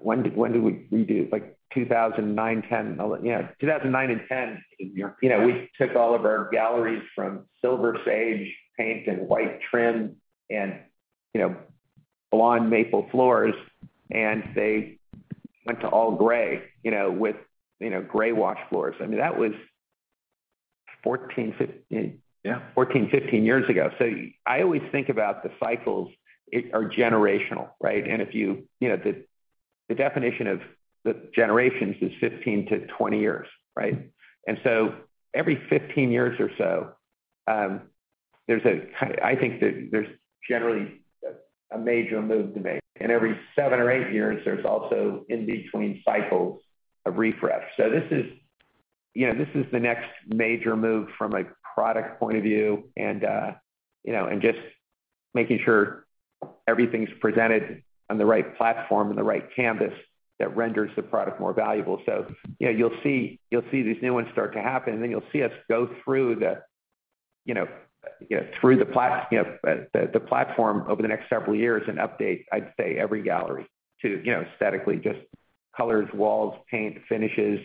When did we do? Like, 2009, 10. Yeah, 2009 and 10, you know, we took all of our galleries from silver sage paint and white trim and, you know, blonde maple floors, and they went to all gray, you know, with, you know, gray wash floors. I mean, that was 14, 15 years ago. I always think about the cycles it are generational, right? If you know, the definition of the generations is 15 to 20 years, right? Every 15 years or so, I think that there's generally a major move to make. Every seven or eight years, there's also in-between cycles of refresh. This is, you know, this is the next major move from a product point of view and, you know, and just making sure everything's presented on the right platform and the right canvas that renders the product more valuable. You know, you'll see these new ones start to happen. You'll see us go through the, you know, through the, you know, the platform over the next several years and update, I'd say, every gallery to, you know, aesthetically, just colors, walls, paint, finishes,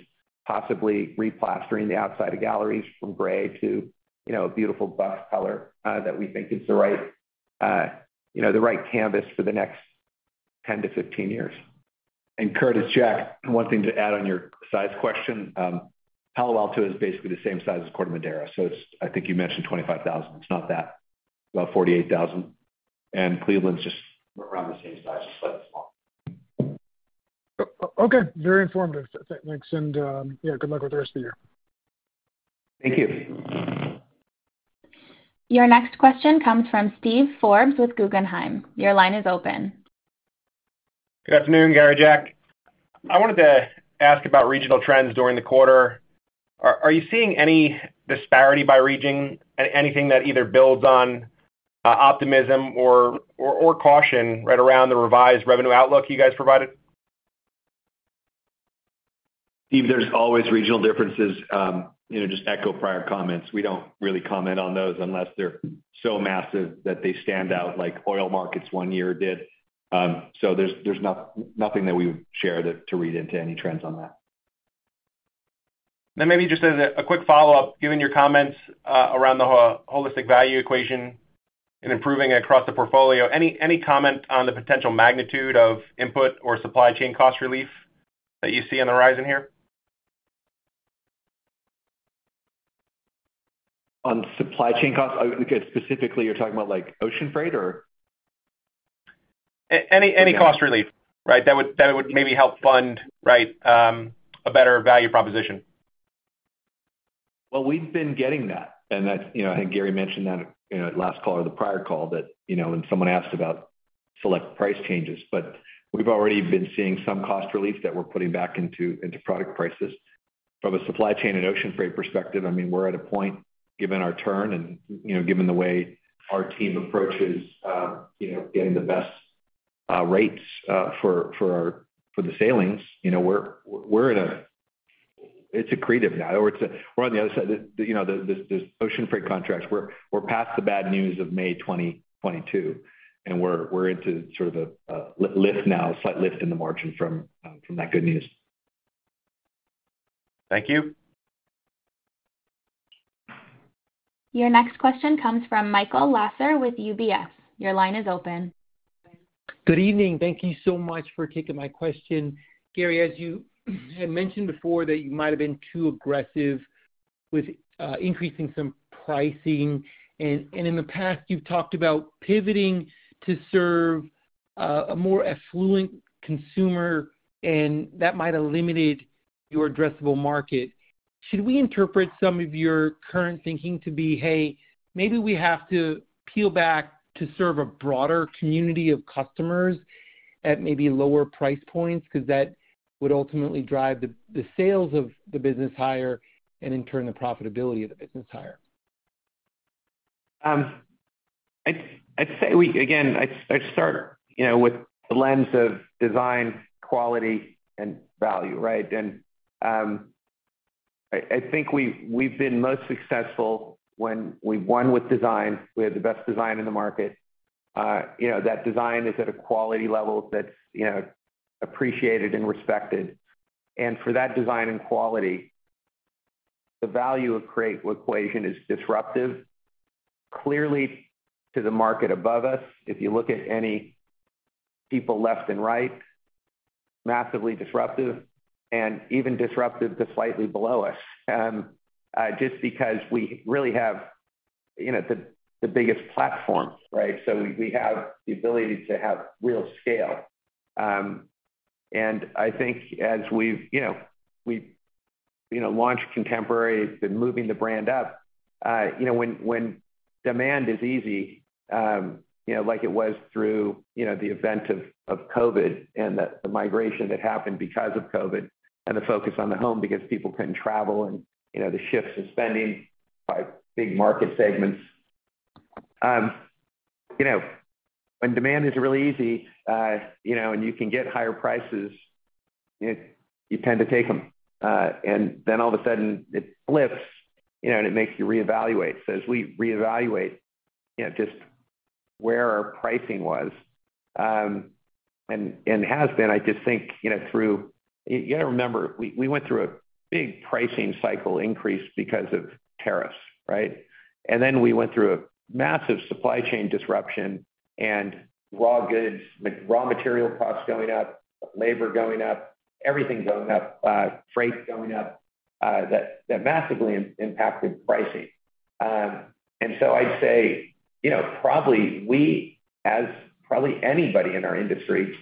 possibly replastering the outside of galleries from gray to, you know, a beautiful buff color that we think is the right, you know, the right canvas for the next 10 to 15 years. Curtis, Jack, one thing to add on your size question, Palo Alto is basically the same size as Corte Madera, so it's... I think you mentioned 25,000. It's not that. About 48,000, and Cleveland's. just around the same size, just slightly smaller. Okay, very informative. Thanks, and yeah, good luck with the rest of the year. Thank you. Your next question comes from Steve Forbes with Guggenheim. Your line is open. Good afternoon, Gary, Jack. I wanted to ask about regional trends during the quarter. Are you seeing any disparity by region? Anything that either builds on optimism or caution right around the revised revenue outlook you guys provided? Steve, there's always regional differences. you know, just to echo prior comments, we don't really comment on those unless they're so massive that they stand out, like oil markets one year did. There's nothing that we would share to read into any trends on that. Maybe just as a quick follow-up, given your comments, around the holistic value equation and improving across the portfolio, any comment on the potential magnitude of input or supply chain cost relief that you see on the horizon here? On supply chain costs? Specifically, you're talking about, like, ocean freight, or? Any cost relief, right? That would maybe help fund, right, a better value proposition. We've been getting that, and that's, you know, I think Gary mentioned that, you know, at last call or the prior call, that, you know, when someone asked about select price changes. We've already been seeing some cost relief that we're putting back into product prices. From a supply chain and ocean freight perspective, I mean, we're at a point, given our turn and, you know, given the way our team approaches, you know, getting the best rates for the sailings, you know, It's accretive now, or we're on the other side. You know, the ocean freight contracts, we're past the bad news of May 2022, and we're into sort of a lift now, slight lift in the margin from that good news. Thank you. Your next question comes from Michael Lasser with UBS. Your line is open. Good evening. Thank you so much for taking my question. Gary, as you had mentioned before, that you might have been too aggressive with increasing some pricing. In the past, you've talked about pivoting to serve a more affluent consumer, and that might have limited your addressable market. Should we interpret some of your current thinking to be, "Hey, maybe we have to peel back to serve a broader community of customers at maybe lower price points, because that would ultimately drive the sales of the business higher and in turn, the profitability of the business higher? I'd say we again, I'd start, you know, with the lens of design, quality, and value, right? I think we've been most successful when we won with design. We had the best design in the market. You know, that design is at a quality level that's, you know, appreciated and respected. For that design and quality, the value equation is disruptive, clearly to the market above us. If you look at any people left and right, massively disruptive, and even disruptive to slightly below us. Just because we really have, you know, the biggest platform, right? We have the ability to have real scale. I think as we've, you know, we've, you know, launched Contemporary, been moving the brand up, you know, when demand is easy, you know, like it was through, you know, the event of COVID, and the migration that happened because of COVID, and the focus on the home because people couldn't travel and, you know, the shifts in spending by big market segments. You know, when demand is really easy, you know, and you can get higher prices, you tend to take them. Then all of a sudden it flips, you know, and it makes you reevaluate. As we reevaluate, you know, just where our pricing was, and has been, I just think, you know, through. You got to remember, we went through a big pricing cycle increase because of tariffs, right? Then we went through a massive supply chain disruption and raw goods, raw material costs going up, labor going up, everything going up, freight going up, that massively impacted pricing. I'd say, you know, probably we, as probably anybody in our industry,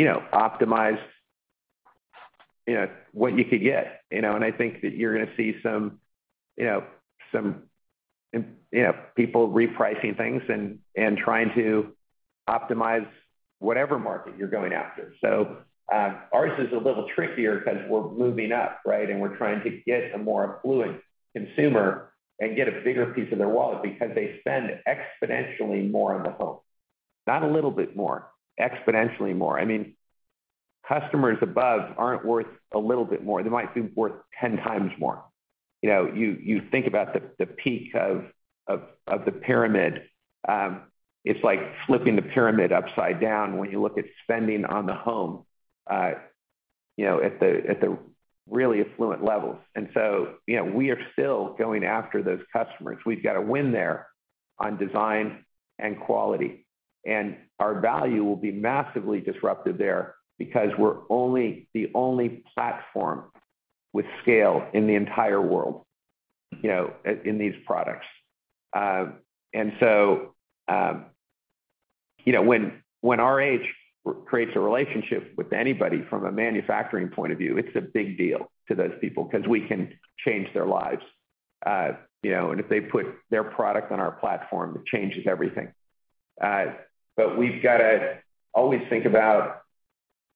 you know, optimize, you know, what you could get, you know? I think that you're gonna see some, you know, some, you know, people repricing things and trying to optimize whatever market you're going after. Ours is a little trickier because we're moving up, right? We're trying to get a more affluent consumer and get a bigger piece of their wallet because they spend exponentially more on the home. Not a little bit more, exponentially more. I mean, customers above aren't worth a little bit more. They might be worth 10 times more. You know, you think about the peak of the pyramid, it's like flipping the pyramid upside down when you look at spending on the home, you know, at the really affluent levels. You know, we are still going after those customers. We've got a win there on design and quality, and our value will be massively disrupted there because we're the only platform with scale in the entire world, you know, in these products. You know, when RH creates a relationship with anybody from a manufacturing point of view, it's a big deal to those people because we can change their lives. You know, and if they put their product on our platform, it changes everything. We've got to always think about,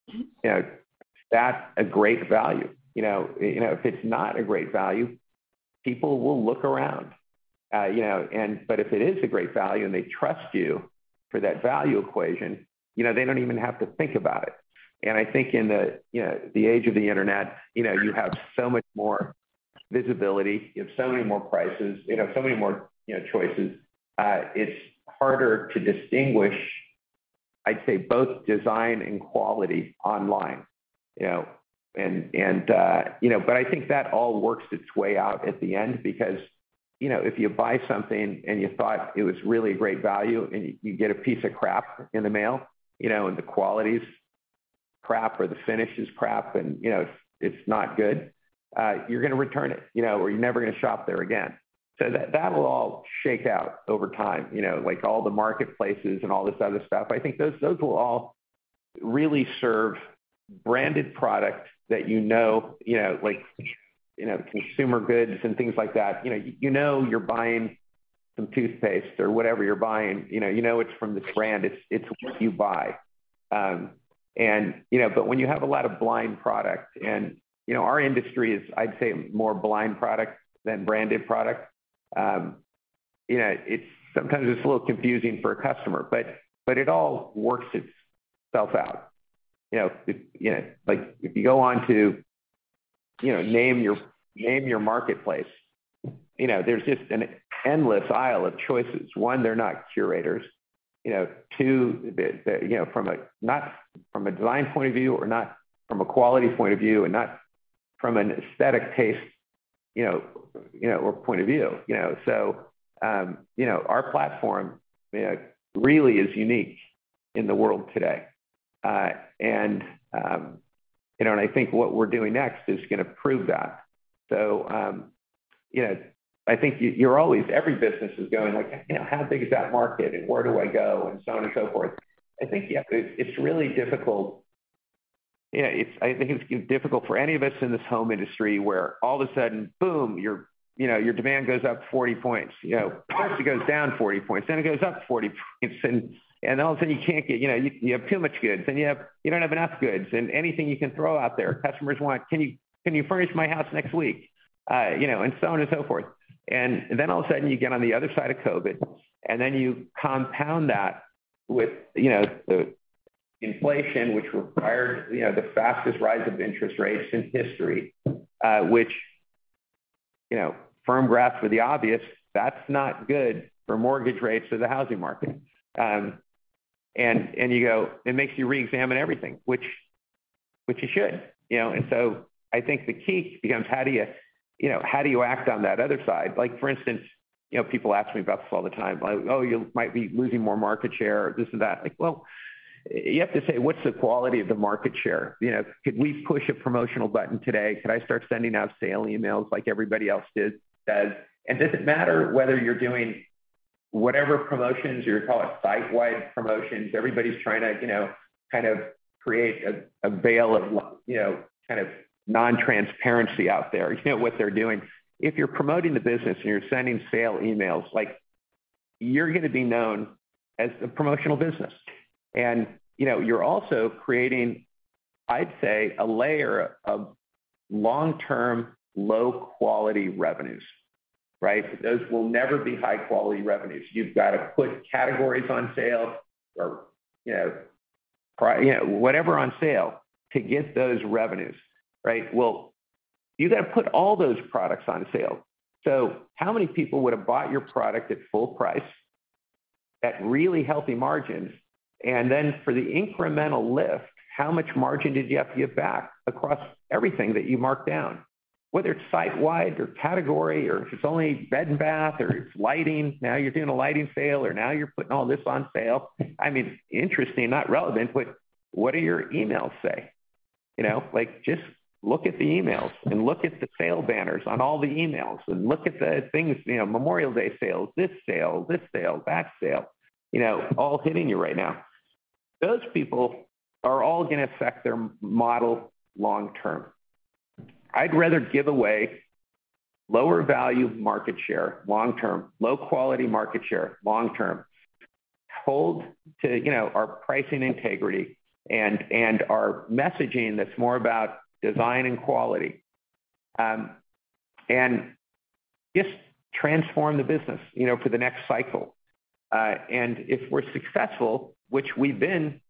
you know, that's a great value. You know, if it's not a great value, people will look around, you know, but if it is a great value and they trust you for that value equation, you know, they don't even have to think about it. I think in the, you know, the age of the internet, you know, you have so much more visibility, you have so many more prices, you know, so many more, you know, choices. It's harder to distinguish, I'd say, both design and quality online, you know? You know, I think that all works its way out at the end because, you know, if you buy something and you thought it was really great value, and you get a piece of crap in the mail, you know, and the quality's-... crap or the finish is crap, and, you know, it's not good, you're gonna return it, you know, or you're never gonna shop there again. That will all shake out over time, you know, like all the marketplaces and all this other stuff. I think those will all really serve branded products that you know, you know, like, you know, consumer goods and things like that. You know, you know you're buying some toothpaste or whatever you're buying, you know, you know it's from this brand, it's what you buy. But when you have a lot of blind products and, you know, our industry is, I'd say, more blind product than branded product, you know, it's sometimes it's a little confusing for a customer, but it all works itself out. You know, if, you know, like, if you go on to, you know, name your, name your marketplace, you know, there's just an endless aisle of choices. One, they're not curators, you know. Two, you know, from a, not from a design point of view, or not from a quality point of view, and not from an aesthetic taste, you know, you know, or point of view, you know? Our platform, you know, really is unique in the world today. I think what we're doing next is gonna prove that. I think every business is going, like, you know, "How big is that market? And where do I go?" And so on and so forth. I think, yeah, it's really difficult. Yeah, I think it's difficult for any of us in this home industry, where all of a sudden, boom! Your, you know, your demand goes up 40 points. You know, possibly goes down 40 points, then it goes up 40 points. All of a sudden, you can't get. You know, you have too much goods, then you don't have enough goods. Anything you can throw out there, customers want, "Can you furnish my house next week?" You know, and so on and so forth. Then all of a sudden you get on the other side of COVID, and then you compound that with, you know, the inflation, which required, you know, the fastest rise of interest rates in history. Which, you know, firm grasp for the obvious, that's not good for mortgage rates or the housing market. And you go, it makes you reexamine everything, which you should, you know? I think the key becomes how do you know, how do you act on that other side? Like, for instance, you know, people ask me about this all the time. "Oh, you might be losing more market share," this and that. Like, well, you have to say, what's the quality of the market share? You know, could we push a promotional button today? Could I start sending out sale emails like everybody else does? Does it matter whether you're doing whatever promotions, you call it, sitewide promotions? Everybody's trying to, you know, kind of create a veil of, you know, kind of non-transparency out there, you know, what they're doing. If you're promoting the business and you're sending sale emails, like, you're gonna be known as a promotional business. You know, you're also creating, I'd say, a layer of long-term, low-quality revenues, right? Those will never be high-quality revenues. You've got to put categories on sale or, you know, whatever on sale to get those revenues, right? Well, you got to put all those products on sale. How many people would have bought your product at full price, at really healthy margins? Then for the incremental lift, how much margin did you have to give back across everything that you marked down? Whether it's sitewide or category, or if it's only bed and bath or it's lighting, now you're doing a lighting sale, or now you're putting all this on sale. I mean, interesting, not relevant, but what do your emails say? You know, like, just look at the emails and look at the sale banners on all the emails, and look at the things, you know, Memorial Day sales, this sale, this sale, that sale, you know, all hitting you right now. Those people are all gonna affect their model long term. I'd rather give away lower value market share long term, low quality market share long term, hold to, you know, our pricing integrity and our messaging that's more about design and quality, and just transform the business, you know, for the next cycle. If we're successful, which we've been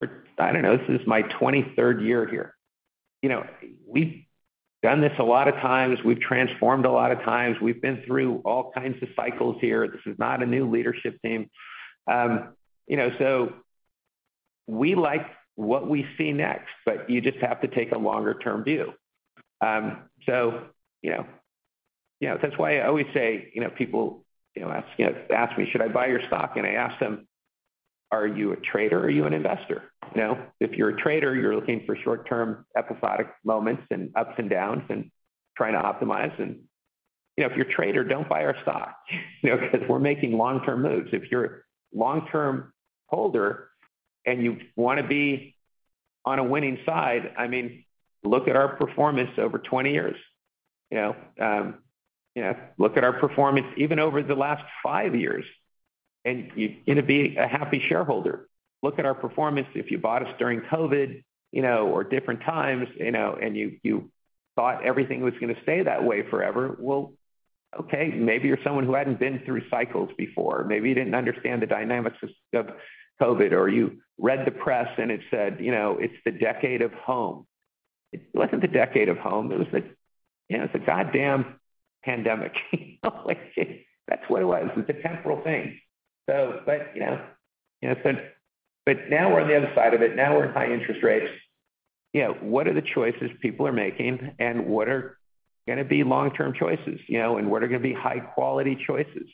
for, I don't know, this is my 23rd year here. You know, we've done this a lot of times. We've transformed a lot of times. We've been through all kinds of cycles here. This is not a new leadership team. You know, we like what we see next, but you just have to take a longer-term view. You know, you know, that's why I always say, you know, people, you know, ask, you know, ask me, "Should I buy your stock?" I ask them: Are you a trader or are you an investor? You know, if you're a trader, you're looking for short-term, episodic moments and ups and downs and trying to optimize and... You know, if you're a trader, don't buy our stock, you know, 'cause we're making long-term moves. If you're a long-term holder and you want to be on a winning side, I mean, look at our performance over 20 years. You know, you know, look at our performance even over the last 5 years, and you're gonna be a happy shareholder. Look at our performance if you bought us during COVID, you know, or different times, you know, and you thought everything was gonna stay that way forever. Well, okay, maybe you're someone who hadn't been through cycles before. Maybe you didn't understand the dynamics of COVID, or you read the press and it said, you know, it's the decade of home. It wasn't the decade of home. It was a, you know, it's a goddamn pandemic. That's what it was. It's a temporal thing. Now we're on the other side of it. Now we're in high interest rates. You know, what are the choices people are making? What are gonna be long-term choices, you know? What are gonna be high-quality choices?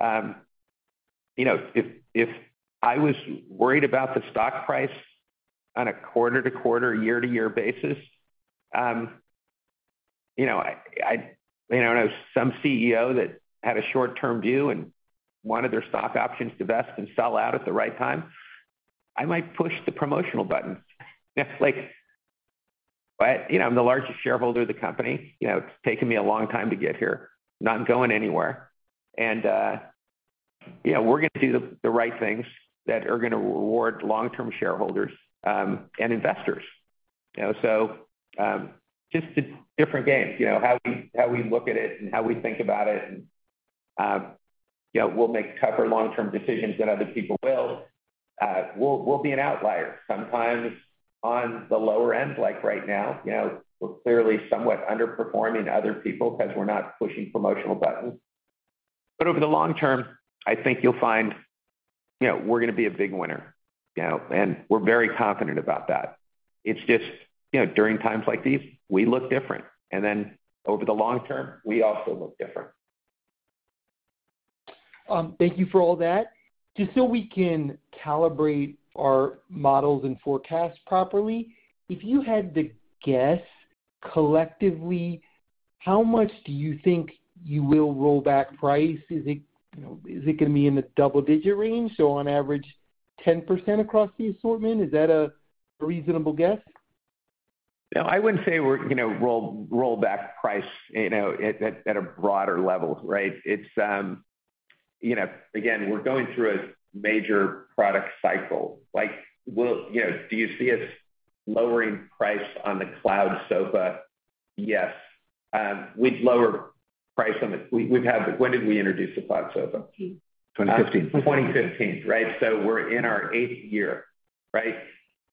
You know, if I was worried about the stock price on a quarter-to-quarter, year-to-year basis, you know, I, you know, and I was some CEO that had a short-term view and wanted their stock options to vest and sell out at the right time, I might push the promotional button. It's like, but, you know, I'm the largest shareholder of the company. You know, it's taken me a long time to get here. Not going anywhere. You know, we're gonna do the right things that are gonna reward long-term shareholders, and investors. You know, just a different game, you know, how we, how we look at it and how we think about it, and, you know, we'll make tougher long-term decisions than other people will. We'll be an outlier sometimes on the lower end, like right now, you know, we're clearly somewhat underperforming other people because we're not pushing promotional buttons. Over the long term, I think you'll find, you know, we're gonna be a big winner, you know, and we're very confident about that. It's just, you know, during times like these, we look different, and then over the long term, we also look different. Thank you for all that. Just so we can calibrate our models and forecasts properly, if you had to guess, collectively, how much do you think you will roll back price? Is it, you know, is it gonna be in the double-digit range, so on average, 10% across the assortment? Is that a reasonable guess? No, I wouldn't say we're, you know, roll back price, you know, at, at a broader level, right? It's, you know, again, we're going through a major product cycle. Like, you know, do you see us lowering price on the Cloud Sofa? Yes. We'd lower price on the- we've had, when did we introduce the Cloud Sofa? 2015. 2015, right? We're in our eighth year, right?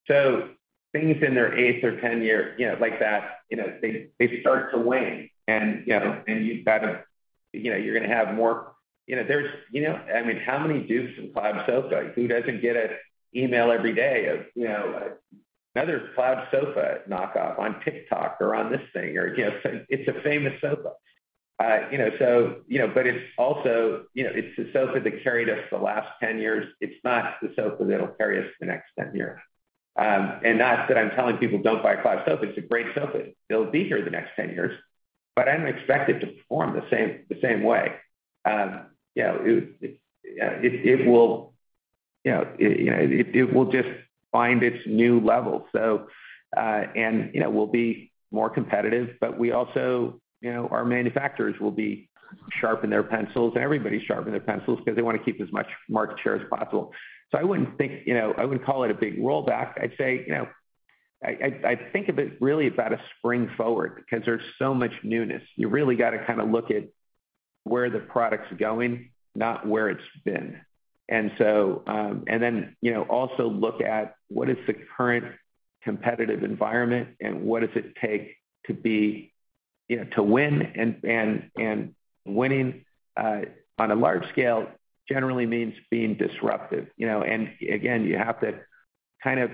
Things in their eighth or 10 year, you know, like that, you know, they start to wane and, you know, and you've got to, you know, you're gonna have more... You know, there's, you know, I mean, how many dukes in Cloud Sofa? Who doesn't get an email every day of, you know, another Cloud Sofa knockoff on TikTok or on this thing or, you know, it's a famous sofa. You know, so, you know, but it's also, you know, it's the sofa that carried us the last 10 years. It's not the sofa that'll carry us the next 10 years. Not that I'm telling people, "Don't buy a Cloud Sofa." It's a great sofa. It'll be here the next 10 years, but I don't expect it to perform the same way. You know, it will, you know, it will just find its new level. And, you know, we'll be more competitive, but we also, you know, our manufacturers will be sharpen their pencils, and everybody sharpen their pencils because they want to keep as much market share as possible. I wouldn't think, you know, I wouldn't call it a big rollback. I'd say, you know, I think of it really about a spring forward because there's so much newness. You really got to kind of look at where the product's going, not where it's been. Then, you know, also look at what is the current competitive environment and what does it take to be, you know, to win and winning on a large scale generally means being disruptive. You know, again, you have to kind of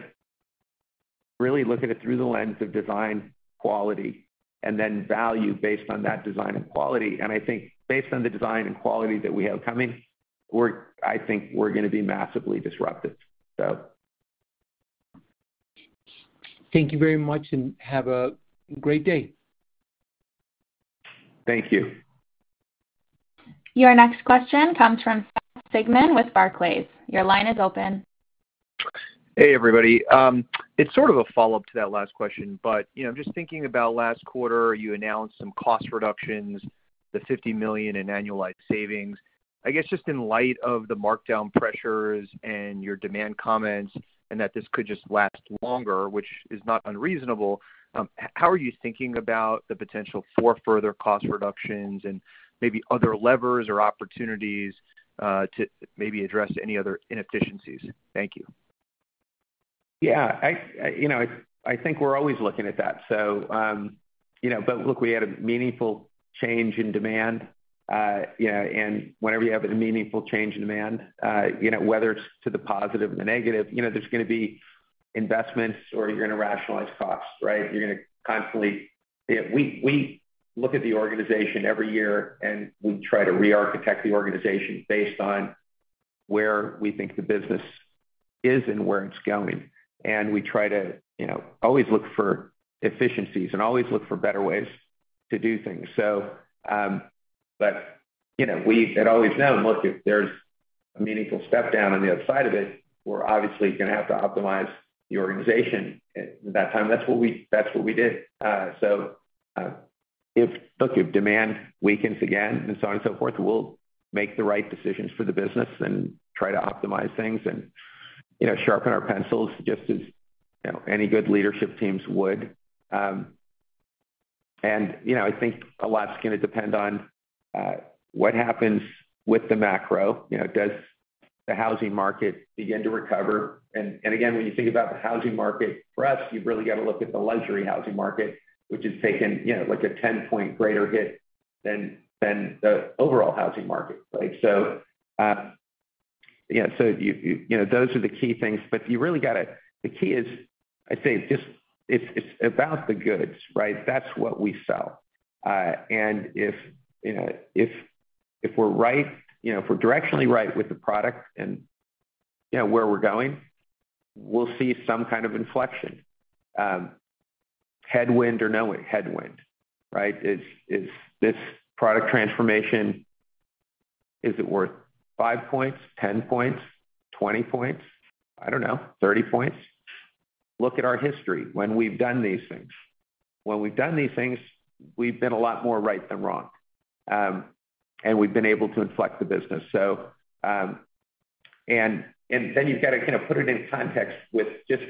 really look at it through the lens of design, quality, and then value based on that design and quality. I think based on the design and quality that we have coming, I think we're gonna be massively disruptive. Thank you very much, and have a great day. Thank you. Your next question comes from Sigman with Barclays. Your line is open. Hey, everybody. It's sort of a follow-up to that last question, you know, just thinking about last quarter, you announced some cost reductions, the $50 million in annualized savings. I guess, just in light of the markdown pressures and your demand comments, and that this could just last longer, which is not unreasonable, how are you thinking about the potential for further cost reductions and maybe other levers or opportunities to maybe address any other inefficiencies? Thank you. Yeah, I, you know, I think we're always looking at that. you know, but look, we had a meaningful change in demand, you know, and whenever you have a meaningful change in demand, you know, whether it's to the positive or the negative, you know, there's gonna be investments or you're gonna rationalize costs, right? You're gonna constantly. We look at the organization every year, and we try to rearchitect the organization based on where we think the business is and where it's going. We try to, you know, always look for efficiencies and always look for better ways to do things. but, you know, we had always known, look, if there's a meaningful step down on the other side of it, we're obviously gonna have to optimize the organization. At that time, that's what we did. If demand weakens again, and so on and so forth, we'll make the right decisions for the business and try to optimize things and, you know, sharpen our pencils, just as, you know, any good leadership teams would. You know, I think a lot is gonna depend on what happens with the macro. You know, does the housing market begin to recover? Again, when you think about the housing market, for us, you've really got to look at the luxury housing market, which has taken, you know, like a 10-point greater hit than the overall housing market. You know, those are the key things. The key is, I'd say, just it's about the goods, right? That's what we sell. If, if we're right, you know, if we're directionally right with the product and you know where we're going, we'll see some kind of inflection, headwind or no headwind, right? Is this product transformation, is it worth 5 points, 10 points, 20 points? I don't know, 30 points. Look at our history when we've done these things. When we've done these things, we've been a lot more right than wrong, and we've been able to inflect the business. Then you've got to kind of put it in context with just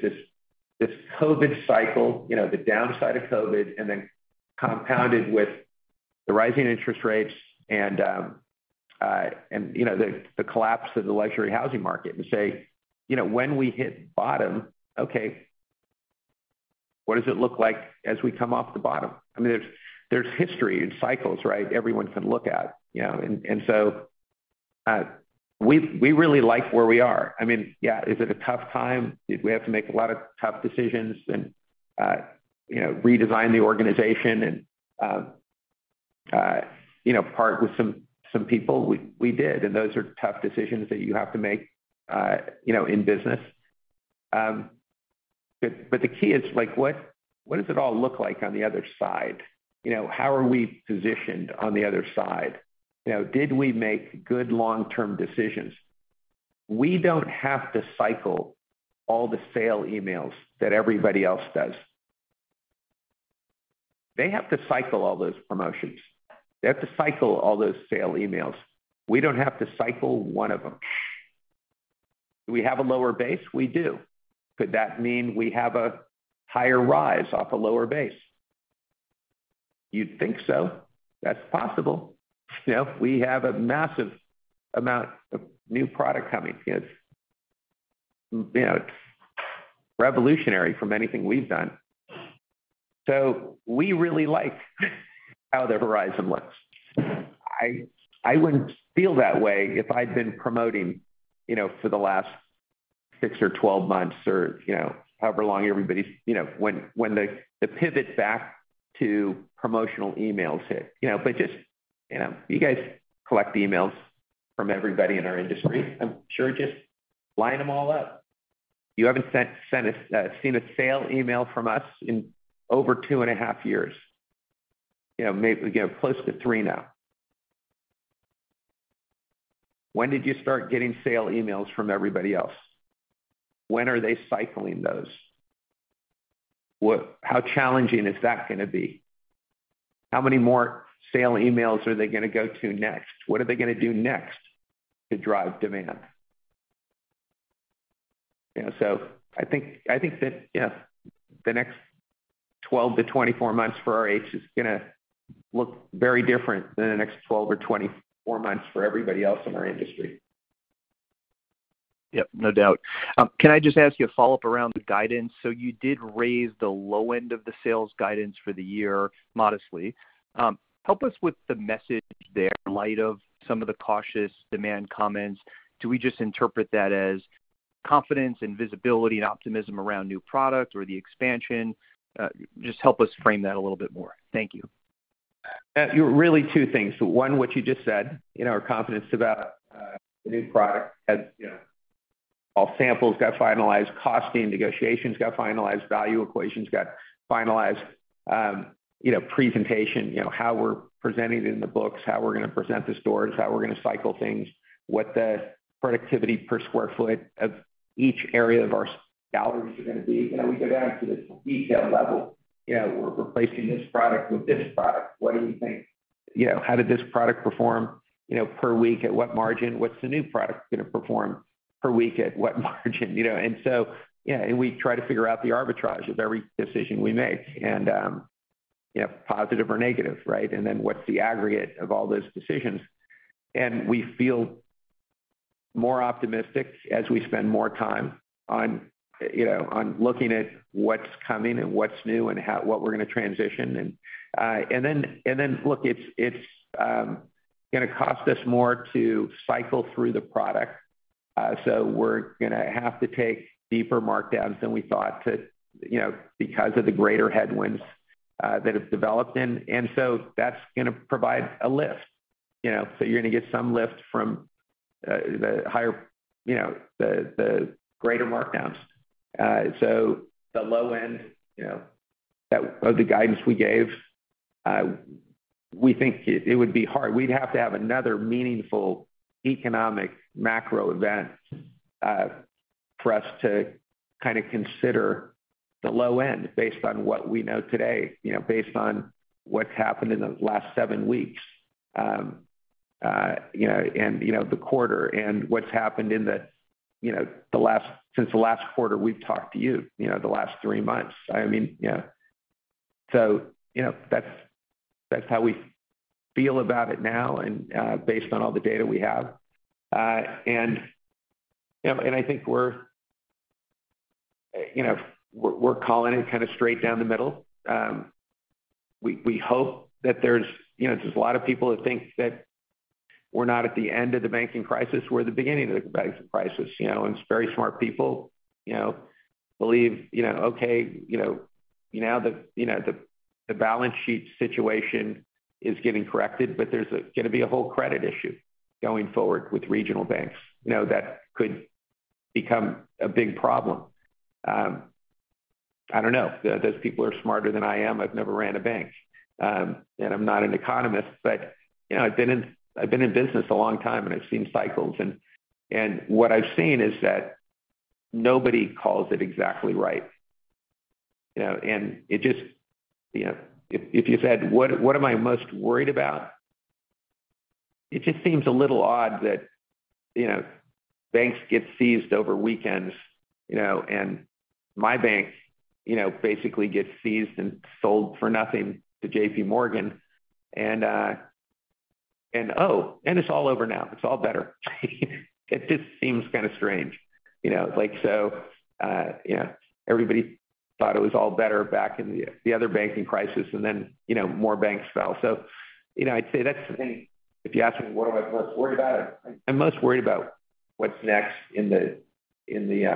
this COVID cycle, you know, the downside of COVID, and compounded with the rising interest rates and, you know, the collapse of the luxury housing market and say, you know, when we hit bottom, okay, what does it look like as we come off the bottom? I mean, there's history and cycles, right? Everyone can look at, you know. We really like where we are. I mean, yeah, is it a tough time? Did we have to make a lot of tough decisions and redesign the organization and part with some people? We did, and those are tough decisions that you have to make in business. The key is, like, what does it all look like on the other side? You know, how are we positioned on the other side? You know, did we make good long-term decisions? We don't have to cycle all the sale emails that everybody else does. They have to cycle all those promotions. They have to cycle all those sale emails. We don't have to cycle one of them. Do we have a lower base? We do. Could that mean we have a higher rise off a lower base? You'd think so. That's possible. You know, we have a massive amount of new product coming. It's, you know, it's revolutionary from anything we've done. We really like how the horizon looks. I wouldn't feel that way if I'd been promoting, you know, for the last six or 12 months or, you know, however long everybody's... You know, when the pivot back to promotional emails hit, you know, but just, you know, you guys collect the emails from everybody in our industry. I'm sure just line them all up. You haven't sent a seen a sale email from us in over two and a half years. You know, maybe, you know, close to three now. When did you start getting sale emails from everybody else? When are they cycling those? How challenging is that gonna be? How many more sale emails are they gonna go to next? What are they gonna do next to drive demand? You know, I think that, yeah, the next 12 to 24 months for RH is gonna look very different than the next 12 or 24 months for everybody else in our industry. Yep, no doubt. Can I just ask you a follow-up around the guidance? You did raise the low end of the sales guidance for the year modestly. Help us with the message there in light of some of the cautious demand comments. Do we just interpret that as confidence and visibility and optimism around new products or the expansion? Just help us frame that a little bit more. Thank you. Really two things. One, what you just said, you know, our confidence about the new product. As you know, all samples got finalized, costing negotiations got finalized, value equations got finalized. You know, presentation, you know, how we're presenting it in the books, how we're gonna present the stores, how we're gonna cycle things, what the productivity per sq ft of each area of our galleries are gonna be. You know, we go down to this detail level. You know, we're replacing this product with this product. What do we think? You know, how did this product perform, you know, per week, at what margin? What's the new product gonna perform per week at what margin? You know, yeah, we try to figure out the arbitrage of every decision we make, you know, positive or negative, right? Then what's the aggregate of all those decisions? We feel more optimistic as we spend more time on, you know, on looking at what's coming and what's new and what we're gonna transition. Then, look, it's gonna cost us more to cycle through the product. We're gonna have to take deeper markdowns than we thought to, you know, because of the greater headwinds that have developed. That's gonna provide a lift. You know, so you're gonna get some lift from the higher, you know, the greater markdowns. The low end, you know, that of the guidance we gave, we think it would be hard. We'd have to have another meaningful economic macro event for us to kind of consider the low end based on what we know today, you know, based on what's happened in the last 7 weeks. You know, and, you know, the quarter and what's happened in the, you know, since the last quarter, we've talked to you know, the last three months. I mean, yeah. You know, that's how we feel about it now and based on all the data we have. And, you know, and I think we're, you know, we're calling it kind of straight down the middle. We, we hope that there's, you know, there's a lot of people that think that we're not at the end of the banking crisis, we're at the beginning of the banking crisis, you know? Very smart people, you know, believe, you know, okay, you know, now the, you know, the balance sheet situation is getting corrected, but there's gonna be a whole credit issue going forward with regional banks, you know, that could become a big problem. I don't know. Those people are smarter than I am. I've never ran a bank, and I'm not an economist, but, you know, I've been in business a long time, and I've seen cycles, and what I've seen is that nobody calls it exactly right. It just, you know, if you said, what am I most worried about? It just seems a little odd that, you know, banks get seized over weekends, you know, and my bank, you know, basically gets seized and sold for nothing to JPMorgan, and oh, and it's all over now. It's all better. It just seems kinda strange, you know? Like, you know, everybody thought it was all better back in the other banking crisis, and then, you know, more banks fell. You know, I'd say that's if you ask me, what am I most worried about? I'm most worried about what's next in the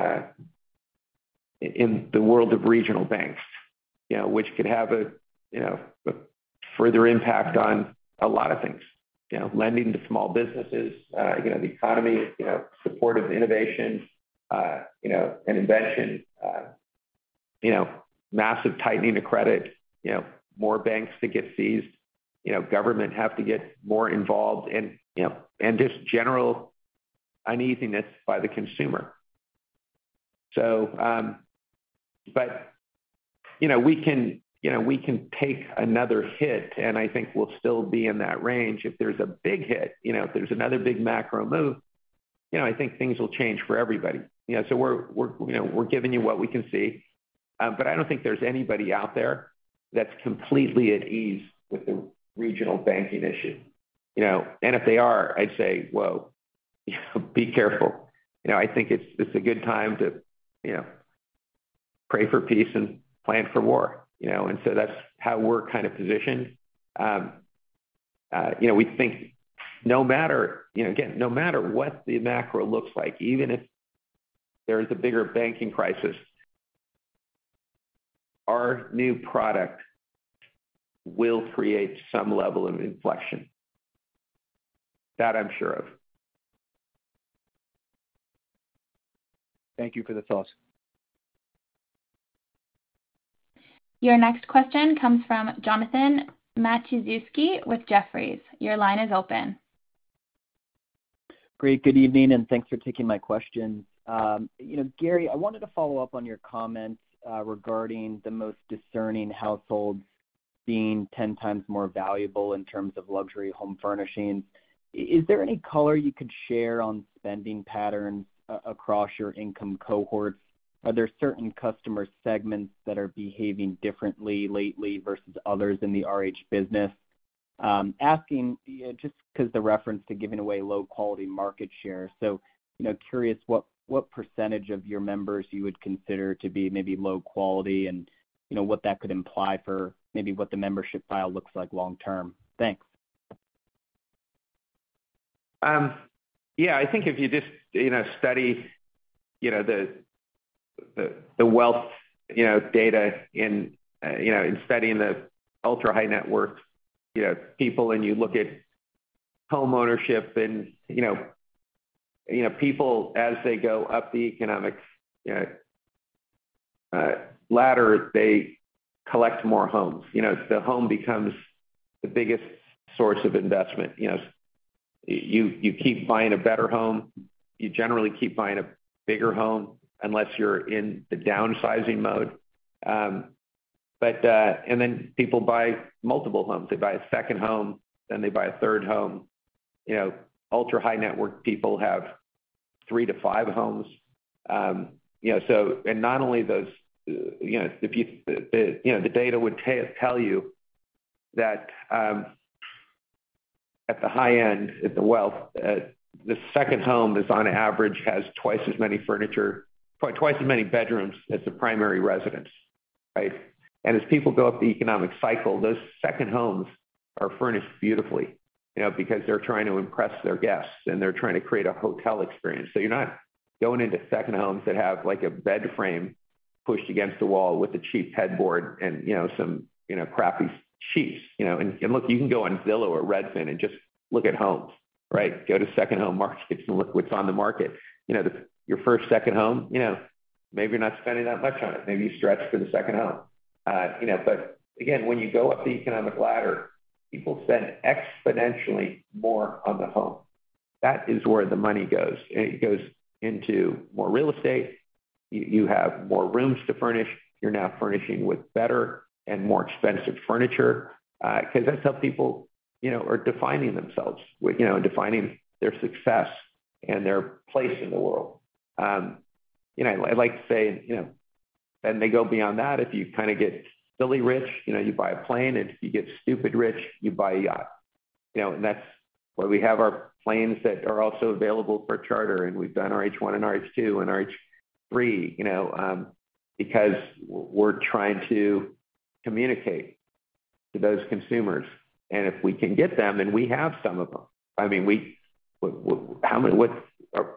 world of regional banks, you know, which could have a further impact on a lot of things. You know, lending to small businesses, you know, the economy, you know, support of innovation, you know, and invention, you know, massive tightening of credit, you know, more banks that get seized, you know, government have to get more involved and, you know, and just general uneasiness by the consumer. You know, we can, you know, we can take another hit, and I think we'll still be in that range. If there's a big hit, you know, if there's another big macro move, you know, I think things will change for everybody. You know, we're, you know, we're giving you what we can see, but I don't think there's anybody out there that's completely at ease with the regional banking issue, you know? If they are, I'd say, "Whoa, be careful." You know, I think it's a good time to, you know, pray for peace and plan for war, you know. That's how we're kind of positioned. You know, we think no matter, you know, again, no matter what the macro looks like, even if there is a bigger banking crisis, our new product will create some level of inflection. That I'm sure of. Thank you for the thoughts. Your next question comes from Jonathan Matuszewski with Jefferies. Your line is open. Good evening, thanks for taking my question. you know, Gary, I wanted to follow up on your comments regarding the most discerning households being 10 times more valuable in terms of luxury home furnishings. Is there any color you could share on spending patterns across your income cohorts? Are there certain customer segments that are behaving differently lately versus others in the RH business? Asking, just 'cause the reference to giving away low-quality market share. you know, curious what percentage of your members you would consider to be maybe low quality, and, you know, what that could imply for maybe what the membership file looks like long term. Thanks. Yeah, I think if you just, you know, study, you know, the wealth, you know, data in, you know, in studying the ultra-high-net-worth, you know, people, and you look at homeownership and, you know, people, as they go up the economic ladder, they collect more homes. You know, the home becomes the biggest source of investment. You know, you keep buying a better home. You generally keep buying a bigger home, unless you're in the downsizing mode. Then people buy multiple homes. They buy a second home, then they buy a third home. You know, ultra-high-net-worth people have three to five homes. you know, not only those, you know, the, you know, the data would tell you that, at the high end, at the wealth, the second home is on average, has twice as many bedrooms as the primary residence, right. As people go up the economic cycle, those second homes are furnished beautifully, you know, because they're trying to impress their guests, and they're trying to create a hotel experience. You're not going into second homes that have, like, a bed frame pushed against the wall with a cheap headboard and, you know, some, you know, crappy sheets. You know, look, you can go on Zillow or Redfin and just look at homes, right. Go to second home markets and look what's on the market. You know, your first, second home, you know, maybe you're not spending that much on it. Maybe you stretch for the second home. You know, again, when you go up the economic ladder, people spend exponentially more on the home. That is where the money goes. It goes into more real estate. You have more rooms to furnish. You're now furnishing with better and more expensive furniture, 'cause that's how people, you know, are defining themselves, with, you know, defining their success and their place in the world. You know, I like to say, you know, they go beyond that. If you kind of get silly rich, you know, you buy a plane, and if you get stupid rich, you buy a yacht. You know, that's why we have our planes that are also available for charter. We've done RH One and RH Two and RH Three, you know, because we're trying to communicate to those consumers. If we can get them, and we have some of them. I mean, we how many what's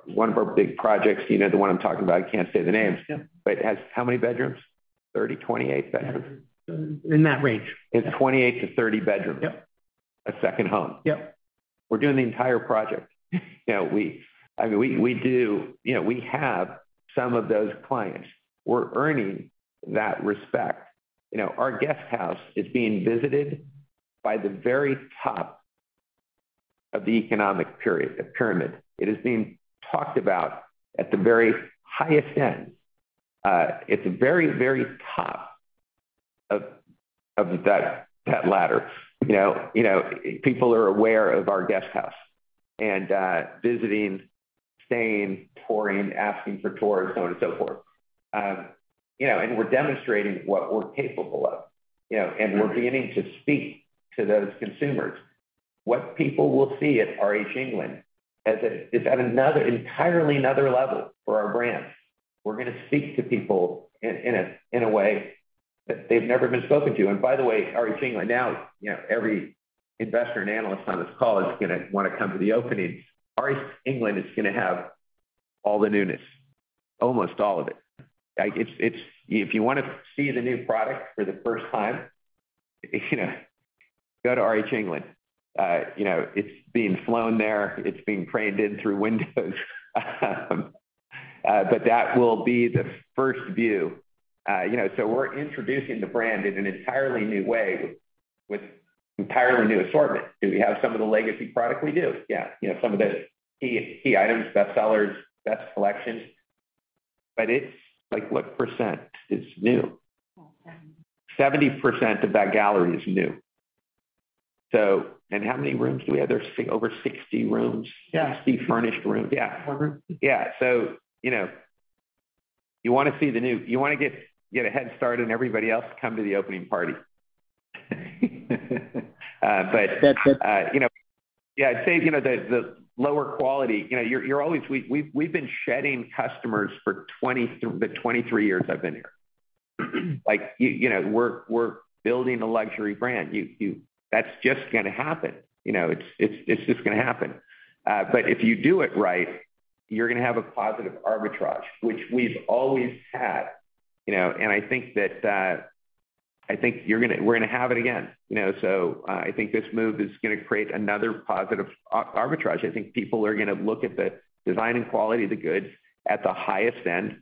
one of our big projects, you know the one I'm talking about, I can't say the names. Yeah. It has how many bedrooms? 30, 28 bedrooms. In that range. It's 28 to 30 bedrooms. Yep. A second home. Yep. We're doing the entire project. You know, we I mean, we do. You know, we have some of those clients. We're earning that respect. You know, our Guesthouse is being visited by the very top of the economic period, the pyramid. It is being talked about at the very highest end. It's very, very top of that ladder. You know, people are aware of our guest house and visiting, staying, touring, asking for tours, so on and so forth. You know, and we're demonstrating what we're capable of, you know, and we're beginning to speak to those consumers. What people will see at RH England as it's at another, entirely another level for our brand. We're gonna speak to people in a way that they've never been spoken to. By the way, RH England, now, you know, every investor and analyst on this call is gonna wanna come to the opening. RH England is gonna have all the newness, almost all of it. Like, it's, if you wanna see the new product for the first time, you know, go to RH England. You know, it's being flown there. It's being craned in through windows. That will be the first view. You know, we're introducing the brand in an entirely new way with entirely new assortment. Do we have some of the legacy product? We do, yeah. You know, some of the key items, best sellers, best selection, it's like, what percent is new? Seventy. 70% of that gallery is new. How many rooms do we have there? Over 60 rooms. Yeah. 60 furnished rooms. Yeah. Rooms. Yeah. So you know, you wanna see the new. You wanna get a head start on everybody else, come to the opening party. That's it. You know, yeah, I'd say, you know, the lower quality, you know, we've been shedding customers for 23 years I've been here. Like, you know, we're building a luxury brand. That's just gonna happen. You know, it's just gonna happen. If you do it right, you're gonna have a positive arbitrage, which we've always had, you know? I think that, I think we're gonna have it again, you know, I think this move is gonna create another positive arbitrage. I think people are gonna look at the design and quality of the goods at the highest end,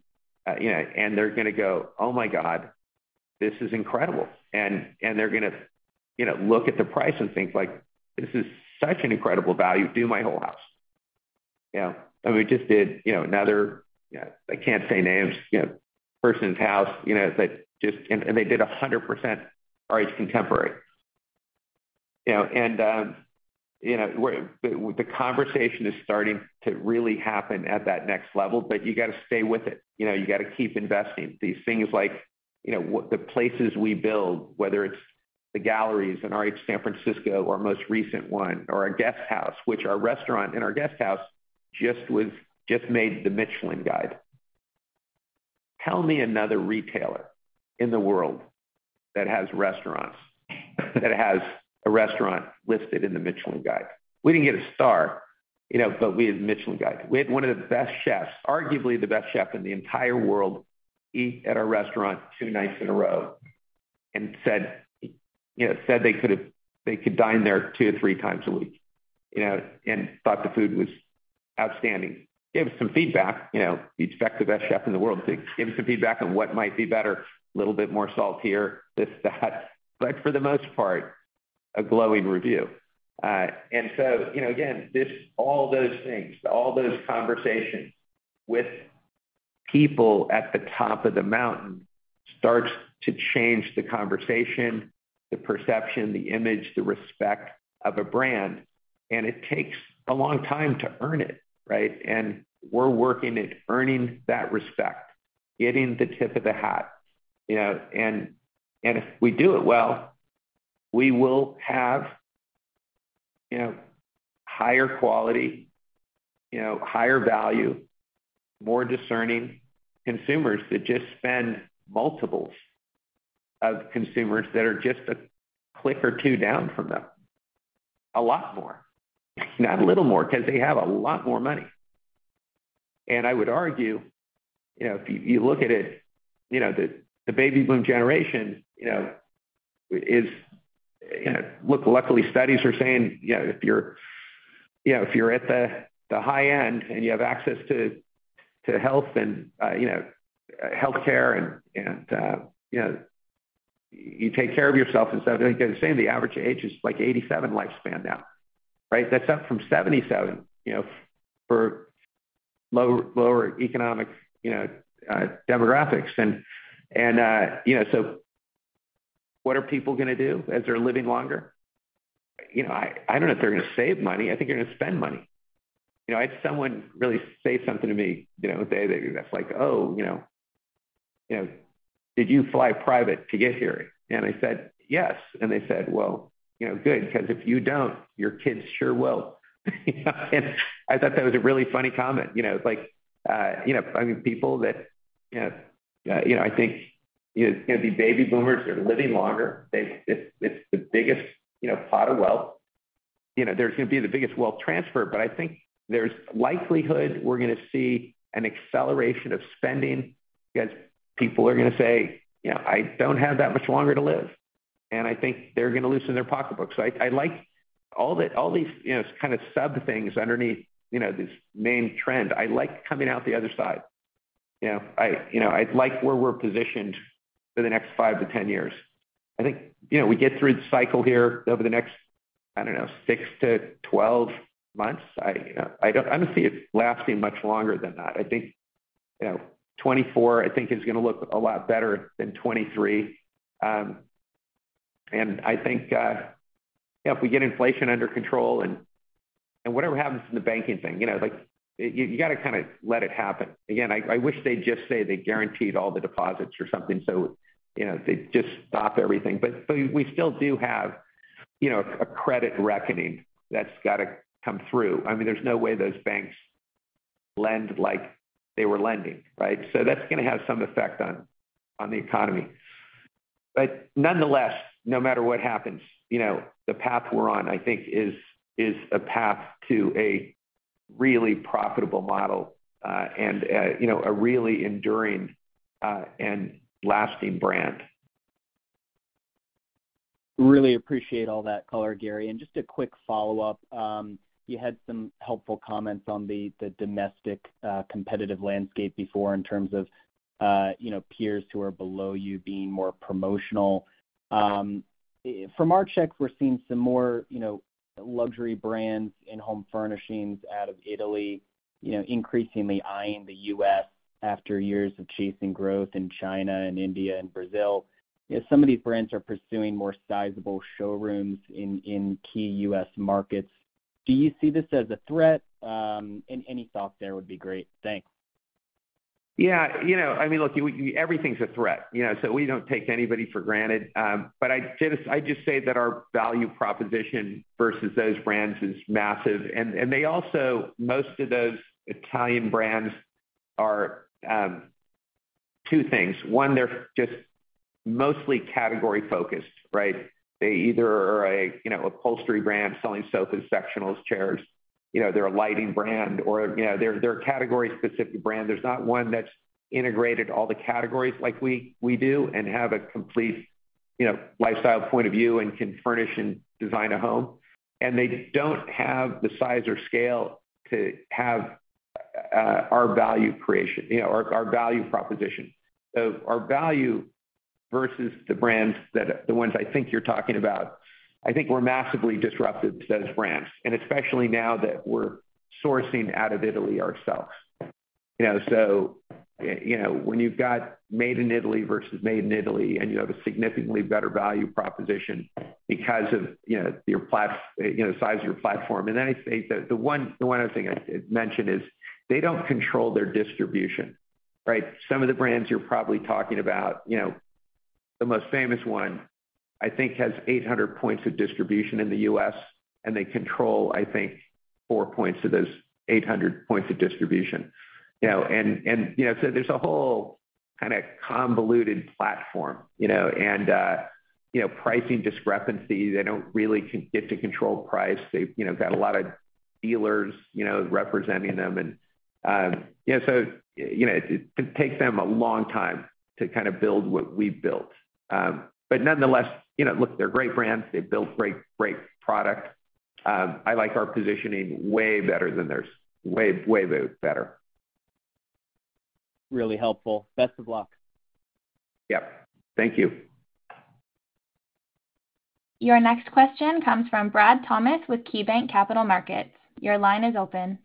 you know, and they're gonna go: Oh, my God, this is incredible! They're gonna, you know, look at the price and think like, "This is such an incredible value. Do my whole house." You know, we just did, you know, another, I can't say names, you know, person's house, you know, they did a 100% RH Contemporary. You know, you know, the conversation is starting to really happen at that next level, but you gotta stay with it. You know, you gotta keep investing. These things like, you know, the places we build, whether it's the galleries in RH San Francisco, our most recent one, or our Guesthouse, which our restaurant and our Guesthouse just made the Michelin Guide. Tell me another retailer in the world that has restaurants, that has a restaurant listed in the Michelin Guide. We didn't get a star, you know, we in the Michelin Guide. We had one of the best chefs, arguably the best chef in the entire world, eat at our restaurant two nights in a row and said, you know, they could dine there two to three times a week, you know, and thought the food was outstanding. Gave us some feedback, you know, you'd expect the best chef in the world to give us some feedback on what might be better. A little bit more salt here, this, that. For the most part, a glowing review. You know, again, this, all those things, all those conversations with people at the top of the mountain, starts to change the conversation, the perception, the image, the respect of a brand. It takes a long time to earn it, right? We're working at earning that respect, getting the tip of the hat, you know, if we do it well, we will have, you know, higher quality, you know, higher value, more discerning consumers that just spend multiples of consumers that are just a click or two down from them. A lot more, not a little more, 'cause they have a lot more money. I would argue, you know, if you look at it, you know, the baby boom generation, you know, is. Luckily, studies are saying, you know, if you're at the high end, and you have access to health and healthcare and you take care of yourself, so they're saying the average age is, like, 87 lifespan now, right? That's up from 77, you know, for lower economic demographics. What are people gonna do as they're living longer? I don't know if they're gonna save money. I think they're gonna spend money. You know, I had someone really say something to me, you know, the other day that's like, "Oh, you know, you know, did you fly private to get here?" I said, "Yes." They said, "Well, you know, good, because if you don't, your kids sure will." I thought that was a really funny comment. You know, like, you know, I mean, people that, you know, I think, you know, the baby boomers are living longer. It's the biggest, you know, pot of wealth. You know, there's gonna be the biggest wealth transfer, I think there's likelihood we're gonna see an acceleration of spending because people are gonna say, "You know, I don't have that much longer to live." I think they're gonna loosen their pocketbooks. I like all these, you know, kind of sub-things underneath, you know, this main trend. I like coming out the other side. You know, I, you know, I like where we're positioned for the next five to 10 years. I think, you know, we get through the cycle here over the next, I don't know, six to 12 months. I, you know, I don't honestly see it lasting much longer than that. I think, you know, 2024, I think, is gonna look a lot better than 2023. I think, if we get inflation under control and whatever happens in the banking thing, you know, like, you gotta kind of let it happen. Again, I wish they'd just say they guaranteed all the deposits or something, so, you know, they just stop everything. We still do have, you know, a credit reckoning that's gotta come through. I mean, there's no way those banks lend like they were lending, right? That's gonna have some effect on the economy. Nonetheless, no matter what happens, you know, the path we're on, I think, is a path to a really profitable model, and, you know, a really enduring, and lasting brand. Really appreciate all that color, Gary. Just a quick follow-up. You had some helpful comments on the domestic competitive landscape before, in terms of, you know, peers who are below you being more promotional. From our checks, we're seeing some more, you know, luxury brands in home furnishings out of Italy, you know, increasingly eyeing the U.S. after years of chasing growth in China and India and Brazil. You know, some of these brands are pursuing more sizable showrooms in key U.S. markets. Do you see this as a threat? Any thoughts there would be great. Thanks. Yeah, you know, I mean, look, everything's a threat, you know, we don't take anybody for granted. I just say that our value proposition versus those brands is massive. They also. Most of those Italian brands are two things: one, they're just mostly category-focused, right? They either are a, you know, upholstery brand selling sofas, sectionals, chairs. You know, they're a lighting brand or, you know, they're a category-specific brand. There's not one that's integrated all the categories like we do, and have a complete, you know, lifestyle point of view and can furnish and design a home. They don't have the size or scale to have our value creation, you know, or our value proposition. Our value versus the brands that are, the ones I think you're talking about, I think we're massively disruptive to those brands, and especially now that we're sourcing out of Italy ourselves. You know, when you've got made in Italy versus made in Italy, and you have a significantly better value proposition because of, you know, the size of your platform. I'd say the one other thing I'd mention is they don't control their distribution, right? Some of the brands you're probably talking about, you know, the most famous one, I think, has 800 points of distribution in the US, and they control, I think, four points of those 800 points of distribution. You know, and, you know, there's a whole kind of convoluted platform, you know. you know, pricing discrepancies, they don't really get to control price. They've, you know, got a lot of dealers, you know, representing them. you know, so you know, it takes them a long time to kind of build what we've built. but nonetheless, you know, look, they're great brands. They've built great products. I like our positioning way better than theirs. Way, way better. Really helpful. Best of luck. Yeah. Thank you. Your next question comes from Bradley Thomas with KeyBanc Capital Markets. Your line is open.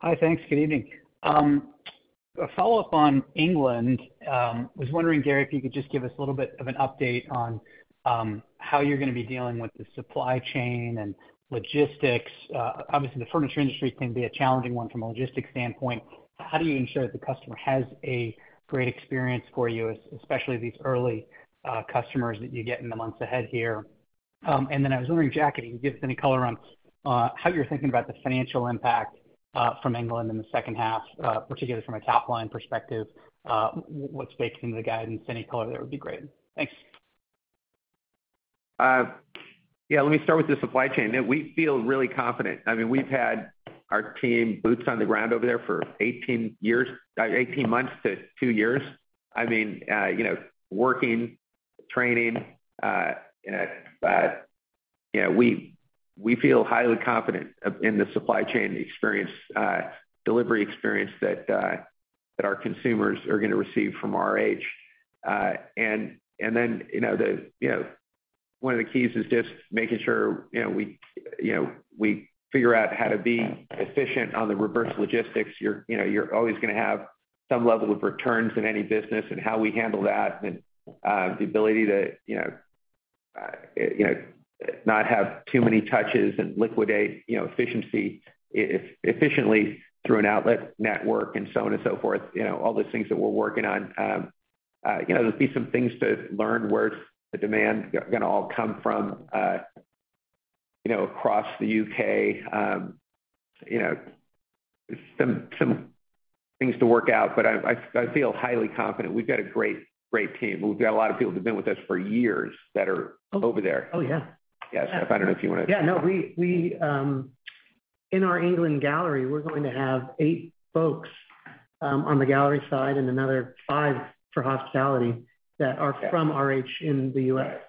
Hi, thanks. Good evening. A follow-up on England. Was wondering, Gary, if you could just give us a little bit of an update on how you're gonna be dealing with the supply chain and logistics. Obviously, the furniture industry can be a challenging one from a logistics standpoint. How do you ensure that the customer has a great experience for you, especially these early customers that you get in the months ahead here? I was wondering, Jack, if you can give us any color on how you're thinking about the financial impact from England in the second half, particularly from a top-line perspective, what's baked into the guidance? Any color there would be great. Thanks. Yeah, let me start with the supply chain. We feel really confident. I mean, we've had our team boots on the ground over there for 18 years, 18 months to two years. I mean, you know, working, training, you know, you know, we feel highly confident in the supply chain experience, delivery experience that our consumers are gonna receive from RH. You know, the, you know, one of the keys is just making sure, you know, we figure out how to be efficient on the reverse logistics. You're, you know, you're always gonna have some level of returns in any business, and how we handle that and the ability to, you know, not have too many touches and liquidate, you know, efficiently through an outlet network and so on and so forth, you know, all those things that we're working on. You know, there'll be some things to learn where the demand gonna all come from, you know, across the U.K. You know, some things to work out, but I feel highly confident. We've got a great team. We've got a lot of people who've been with us for years that are over there. Oh, yeah. Yes. I don't know if you want to. Yeah, no, we in our RH England gallery, we're going to have eight folks on the gallery side and another five for hospitality, that are from RH in the U.S.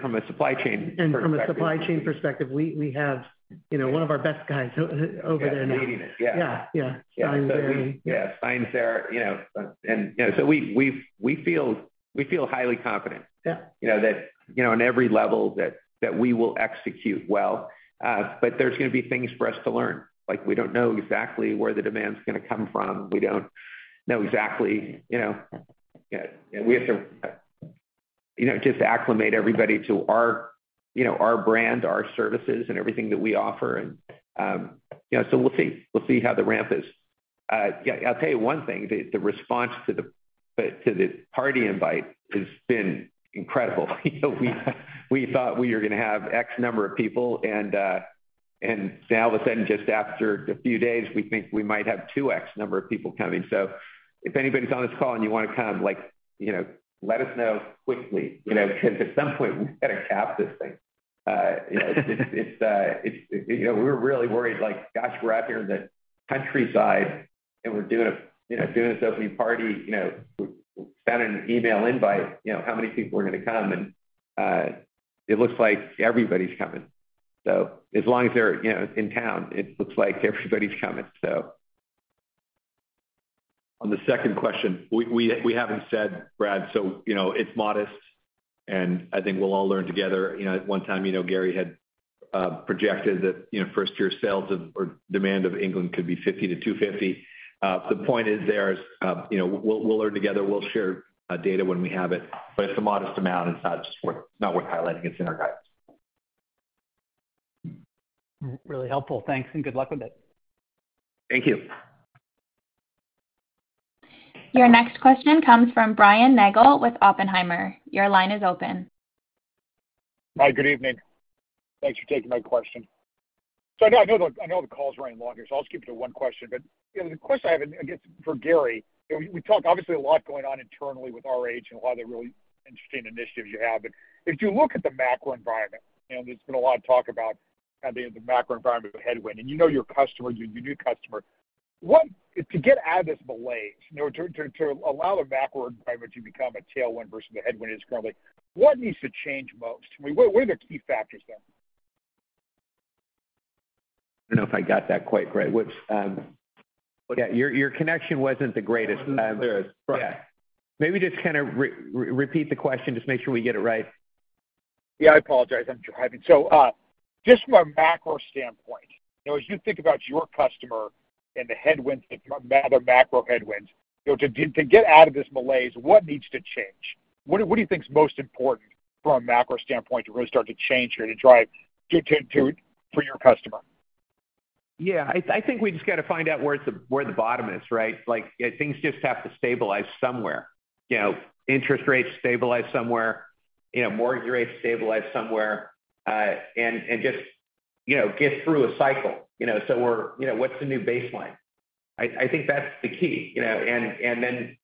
From a supply chain perspective. From a supply chain perspective, we have, you know, one of our best guys over there now. Leading it. Yeah. Yeah. Yeah. Yeah, Stein Sarah, you know, and, you know, so we feel highly confident. Yeah .You know, that, you know, on every level that we will execute well. There's gonna be things for us to learn. Like, we don't know exactly where the demand's gonna come from. We don't know exactly, you know, we have to, you know, just acclimate everybody to our, you know, our brand, our services, and everything that we offer. You know, we'll see. We'll see how the ramp is. Yeah, I'll tell you one thing, the response to the party invite has been incredible. You know, we thought we were gonna have X number of people, and now all of a sudden, just after a few days, we think we might have two X number of people coming. If anybody's on this call and you want to come, like, you know, let us know quickly, you know, because at some point we've got to cap this thing. It's, it's, you know, we were really worried, like, gosh, we're out here in the countryside, and we're doing a, you know, doing this opening party, you know, sent an email invite, you know, how many people are gonna come? It looks like everybody's coming. As long as they're, you know, in town, it looks like everybody's coming, so. On the second question, we haven't said, Brad, you know, it's modest, and I think we'll all learn together. You know, at one time, you know, Gary had projected that, you know, first-year sales of or demand of RH England could be $50 million-$250 million. The point is there, you know, we'll learn together. We'll share data when we have it, but it's a modest amount. It's not just worth, not worth highlighting. It's in our guides. Really helpful. Thanks, and good luck with it. Thank you. Your next question comes from Brian Nagel with Oppenheimer. Your line is open. Hi, good evening. Thanks for taking my question. I know the call is running longer, so I'll just keep it to one question. The question I have, I guess, for Gary, you know, we talked obviously a lot going on internally with RH and a lot of the really interesting initiatives you have. If you look at the macro environment, and there's been a lot of talk about how the macro environment is a headwind, and you know, your customers, your new customer, to get out of this malaise, you know, to allow the macro environment to become a tailwind versus the headwind it is currently, what needs to change most? I mean, what are the key factors there? I don't know if I got that quite right. What's? Yeah, your connection wasn't the greatest. It wasn't the best, right. Maybe just kind of repeat the question, just make sure we get it right. Yeah, I apologize. I'm driving. Just from a macro standpoint, you know, as you think about your customer and the headwinds, the other macro headwinds, you know, to get out of this malaise, what needs to change? What do you think is most important from a macro standpoint, to really start to change here, to for your customer? Yeah, I think we just got to find out where the bottom is, right? Like, things just have to stabilize somewhere. You know, interest rates stabilize somewhere, you know, mortgage rates stabilize somewhere, and just, you know, get through a cycle. You know, what's the new baseline? I think that's the key, you know, and then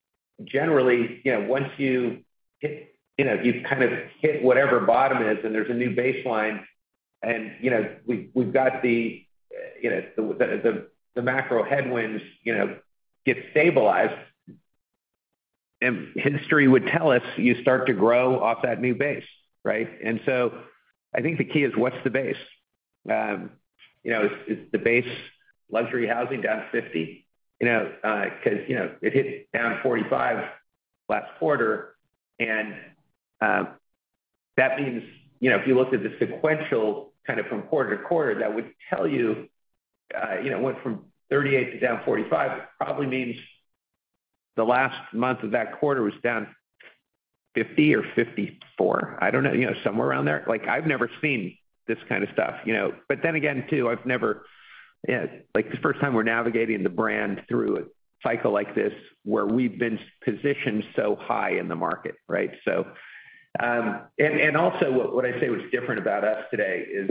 generally, you know, once you hit, you've kind of hit whatever bottom is, and there's a new baseline, and, you know, we've got the, you know, the macro headwinds, you know, get stabilized, and history would tell us you start to grow off that new base, right? I think the key is, what's the base? You know, is the base luxury housing down 50? You know, because, you know, it hit down 45% last quarter, that means, you know, if you looked at the sequential kind of from quarter to quarter, that would tell you know, it went from 38% to down 45%. It probably means the last month of that quarter was down 50% or 54%. I don't know, you know, somewhere around there. I've never seen this kind of stuff, you know? Again, too, like, the first time we're navigating the brand through a cycle like this, where we've been positioned so high in the market, right? Also, what I say was different about us today is,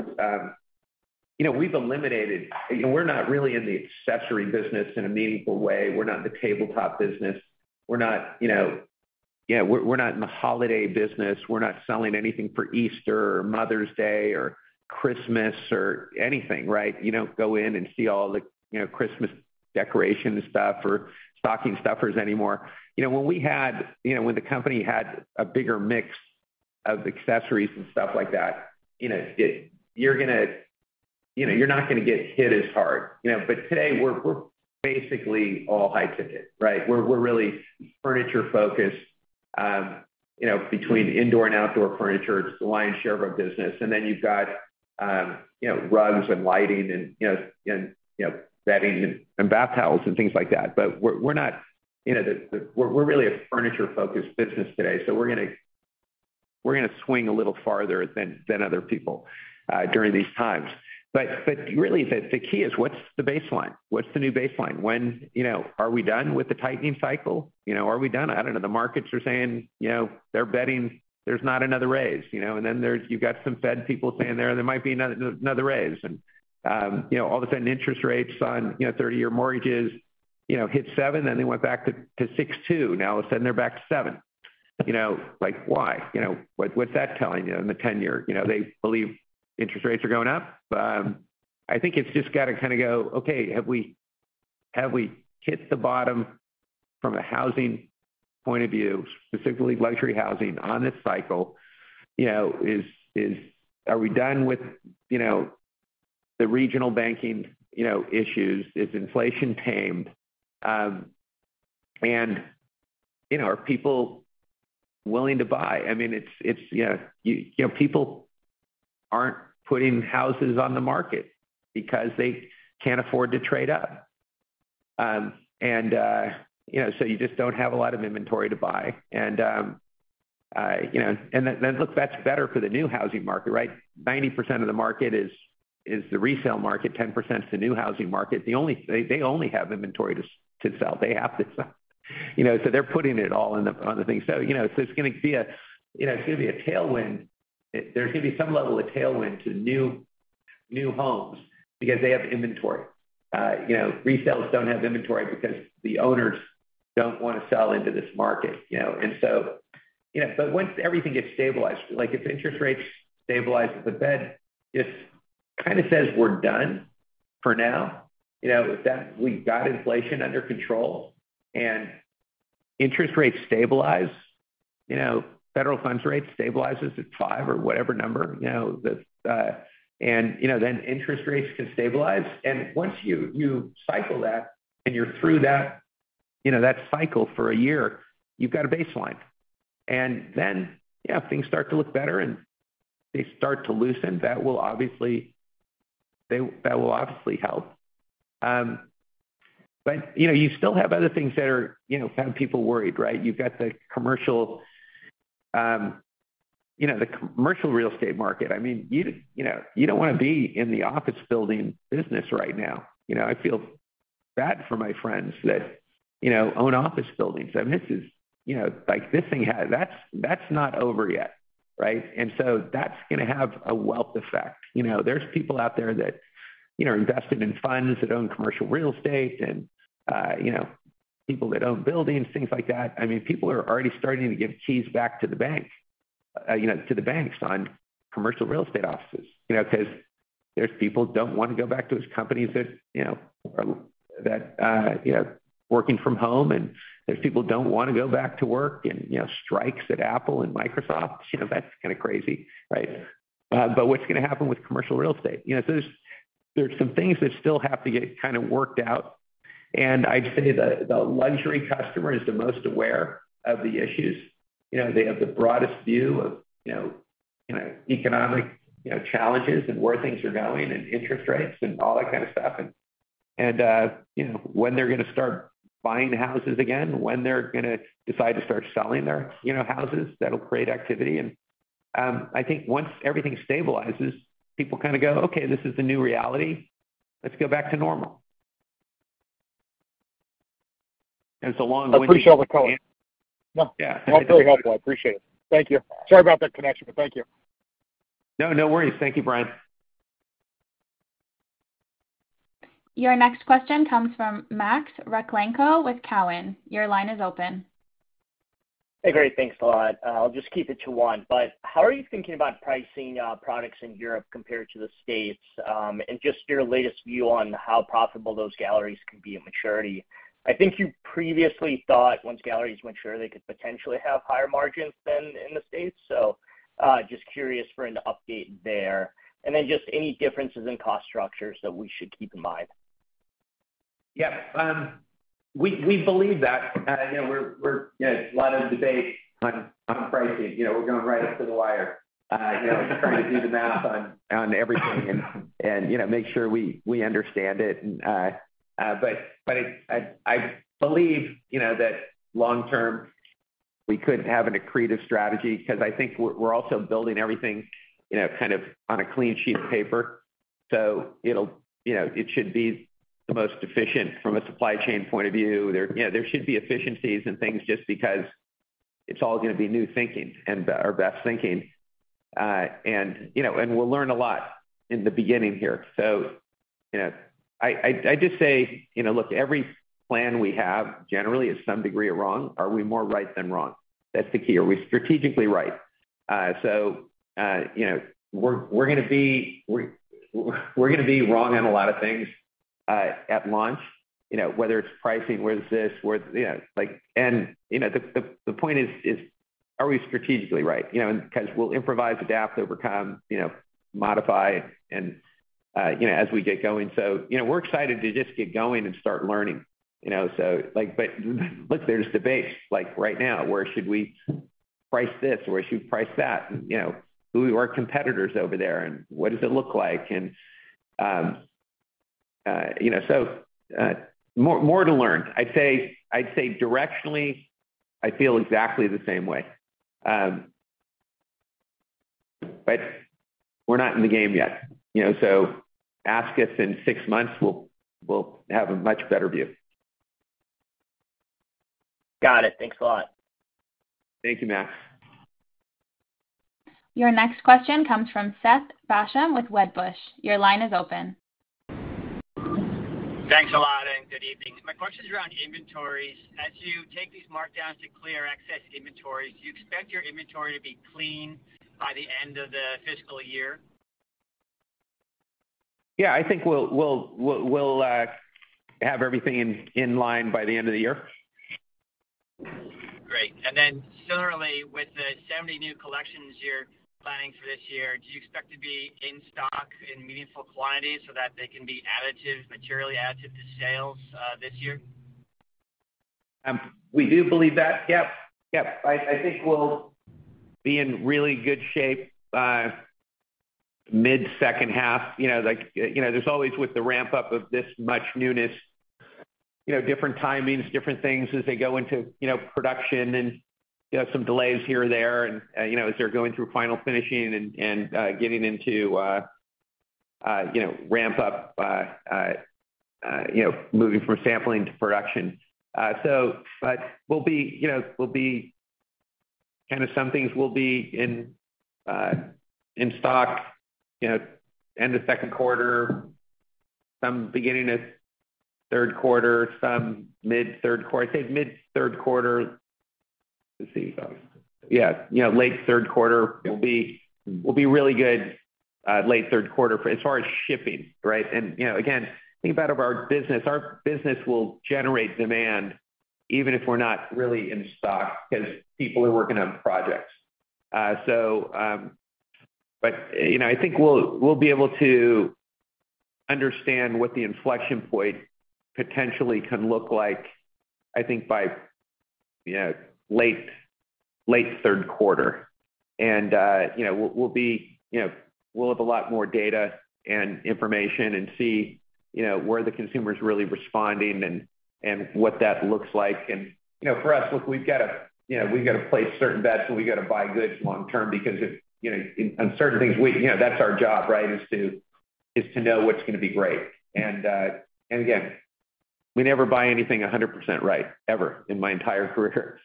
you know, We're not really in the accessory business in a meaningful way. We're not in the tabletop business. We're not, you know... Yeah, we're not in the holiday business. We're not selling anything for Easter or Mother's Day or Christmas or anything, right? You don't go in and see all the, you know, Christmas decorations stuff or stocking stuffers anymore. When the company had a bigger mix of accessories and stuff like that, you know, you're not gonna get hit as hard. Today, we're basically all high ticket, right? We're really furniture focused. Between indoor and outdoor furniture, it's the lion's share of our business. Then you've got, you know, rugs and lighting and bedding and bath towels and things like that. We're not, you know, we're really a furniture-focused business today, so we're gonna swing a little farther than other people during these times. Really, the key is what's the baseline? What's the new baseline? You know, are we done with the tightening cycle? You know, are we done? I don't know. The markets are saying, you know, they're betting there's not another raise, you know, and then you've got some Fed people saying there might be another raise. All of a sudden, interest rates on, you know, 30-year mortgages, you know, hit seven, and they went back to 6.2. Now, all of a sudden, they're back to seven. You know, like, why? You know, what's that telling you in the 10-year? You know, they believe interest rates are going up. I think it's just got to kind of go, okay, have we, have we hit the bottom from a housing point of view, specifically luxury housing on this cycle? You know, are we done with, you know, the regional banking, you know, issues? Is inflation tamed? You know, are people willing to buy? I mean, it's, you know, you know, people aren't putting houses on the market because they can't afford to trade up. You know, so you just don't have a lot of inventory to buy. You know, and then, look, that's better for the new housing market, right? 90% of the market is the resale market, 10% is the new housing market. They only have inventory to sell. They have to sell. You know, they're putting it all in the, on the thing. You know, it's gonna be a, you know, it's gonna be a tailwind. There's gonna be some level of tailwind to new homes because they have inventory. You know, resales don't have inventory because the owners don't want to sell into this market, you know? You know, but once everything gets stabilized, like, if interest rates stabilize, the Fed just kind of says we're done for now, you know, that we've got inflation under control and interest rates stabilize, you know, federal funds rate stabilizes at five or whatever number, you know, that. You know, then interest rates can stabilize. Once you cycle that and you're through that, you know, that cycle for a year, you've got a baseline. Yeah, things start to look better, and they start to loosen. That will obviously help. You know, you still have other things that are, you know, have people worried, right? You've got the commercial, you know, the commercial real estate market. I mean, you know, you don't want to be in the office building business right now. You know, I feel bad for my friends that, you know, own office buildings. I mean, this is, you know, like, this thing has. That's not over yet, right? That's gonna have a wealth effect. You know, there's people out there that, you know, invested in funds that own commercial real estate and, you know, people that own buildings, things like that. I mean, people are already starting to give keys back to the bank, you know, to the banks on commercial real estate offices. You know, because there's people don't want to go back to those companies that, you know, working from home, and there's people don't want to go back to work and, you know, strikes at Apple and Microsoft. You know, that's kind of crazy, right? What's gonna happen with commercial real estate? You know, there's some things that still have to get kind of worked out, and I'd say the luxury customer is the most aware of the issues. You know, they have the broadest view of, you know, kind of economic, you know, challenges and where things are going and interest rates and all that kind of stuff. you know, when they're gonna start buying houses again, when they're gonna decide to start selling their, you know, houses, that'll create activity. I think once everything stabilizes, people kind of go, "Okay, this is the new reality. Let's go back to normal." It's a long winded-. I appreciate the call. Yeah. That was very helpful. I appreciate it. Thank you. Sorry about that connection, but thank you. No, no worries. Thank you, Brian. Your next question comes from Max Rakhlenko with Cowen. Your line is open. Hey, great. Thanks a lot. I'll just keep it to one, how are you thinking about pricing, products in Europe compared to the States? Just your latest view on how profitable those galleries could be at maturity. I think you previously thought once galleries mature, they could potentially have higher margins than in the States. Just curious for an update there. Just any differences in cost structures that we should keep in mind. Yeah. We believe that. You know. Yeah, a lot of debate on pricing. You know, we're going right up to the wire, you know, trying to do the math on everything and, you know, make sure we understand it. But I believe, you know, that long term, we could have an accretive strategy because I think we're also building everything, you know, kind of on a clean sheet of paper. It'll, you know, it should be the most efficient from a supply chain point of view. There, you know, there should be efficiencies and things just because it's all gonna be new thinking and our best thinking. You know, we'll learn a lot in the beginning here. You know, I just say, you know, look, every plan we have generally is some degree of wrong. Are we more right than wrong? That's the key. Are we strategically right? You know, we're gonna be wrong on a lot of things at launch, you know, whether it's pricing, whether it's this, whether. You know, like, you know, the point is, are we strategically right? Because we'll improvise, adapt, overcome, you know, modify and, you know, as we get going. You know, we're excited to just get going and start learning, you know? Look, there's debates, like, right now, where should we price this, where should we price that? Who are our competitors over there, what does it look like? You know, more to learn. I'd say directionally, I feel exactly the same way. We're not in the game yet, you know, ask us in six months, we'll have a much better view. Got it. Thanks a lot. Thank you, Max. Your next question comes from Seth Basham with Wedbush. Your line is open. Thanks a lot. Good evening. My question is around inventories. As you take these markdowns to clear excess inventories, do you expect your inventory to be clean by the end of the fiscal year? Yeah, I think we'll have everything in line by the end of the year. Great. Then similarly, with the 70 new collections you're planning for this year, do you expect to be in stock in meaningful quantities so that they can be additive, materially additive to sales, this year? We do believe that. Yep. I think we'll be in really good shape by mid-second half. You know, like, you know, there's always with the ramp-up of this much newness, you know, different timings, different things as they go into, you know, production and, you know, some delays here and there, and, you know, as they're going through final finishing and getting into, you know, ramp up, you know, moving from sampling to production. We'll be, you know, kind of some things will be in stock, you know, end of second quarter, some beginning of third quarter, some mid-third quarter. I'd say mid-third quarter. Let's see. Yeah, you know, late third quarter will be really good, late third quarter for as far as shipping, right? You know, again, think about of our business. Our business will generate demand even if we're not really in stock, because people are working on projects. You know, I think we'll be able to understand what the inflection point potentially can look like, I think by, you know, late third quarter. You know, we'll be, you know, we'll have a lot more data and information and see, you know, where the consumer is really responding and what that looks like. You know, for us, look, we've got to, you know, we've got to place certain bets, and we got to buy goods long term because if, you know, on certain things, we, you know, that's our job, right? Is to, is to know what's going to be great. Again, we never buy anything 100% right, ever in my entire career.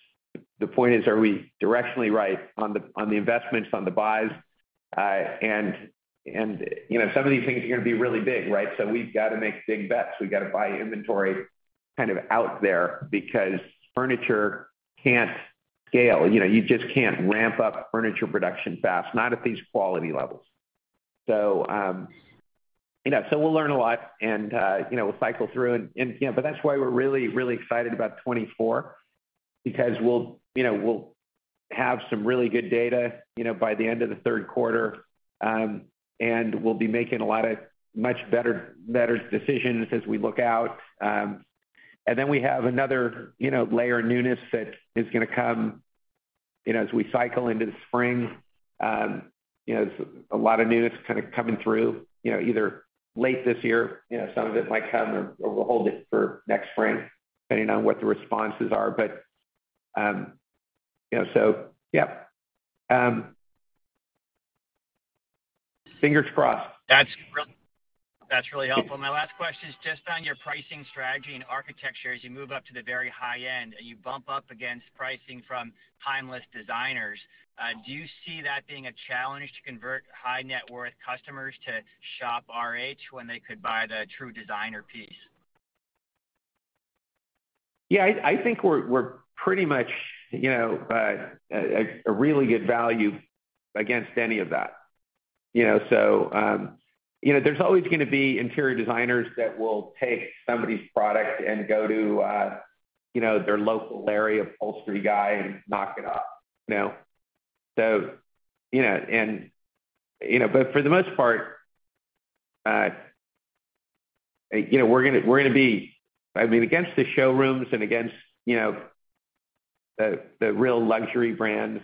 The point is, are we directionally right on the, on the investments, on the buys? You know, some of these things are going to be really big, right? We've got to make big bets. We've got to buy inventory kind of out there because furniture can't scale. You know, you just can't ramp up furniture production fast, not at these quality levels. You know, we'll learn a lot and, you know, we'll cycle through and, you know. That's why we're really, really excited about 2024, because we'll, you know, we'll have some really good data, you know, by the end of the third quarter. We'll be making a lot of much better decisions as we look out. We have another, you know, layer of newness that is going to come, you know, as we cycle into the spring. You know, a lot of newness kind of coming through, you know, either late this year, you know, some of it might come or we'll hold it for next spring, depending on what the responses are. You know, yeah, fingers crossed. That's really helpful. My last question is just on your pricing strategy and architecture. As you move up to the very high end and you bump up against pricing from timeless designers, do you see that being a challenge to convert high-net-worth customers to shop RH when they could buy the true designer piece? Yeah, I think we're pretty much, you know, a really good value against any of that. You know, there's always going to be interior designers that will take somebody's product and go to, you know, their local area upholstery guy and knock it off, you know? You know, for the most part, you know, we're gonna be, I mean, against the showrooms and against, you know, the real luxury brands,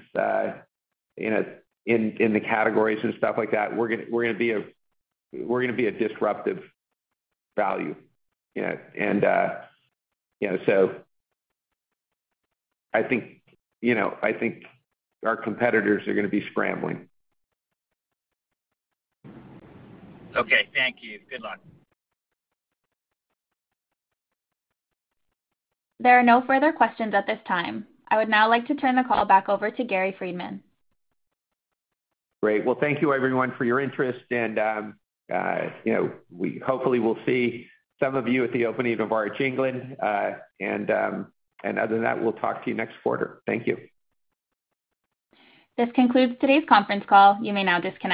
you know, in the categories and stuff like that, we're gonna be a disruptive value, you know? You know, I think, you know, I think our competitors are gonna be scrambling. Okay. Thank you. Good luck. There are no further questions at this time. I would now like to turn the call back over to Gary Friedman. Great. Well, thank you everyone for your interest and, you know, we hopefully will see some of you at the opening of RH England. Other than that, we'll talk to you next quarter. Thank you. This concludes today's conference call. You may now disconnect.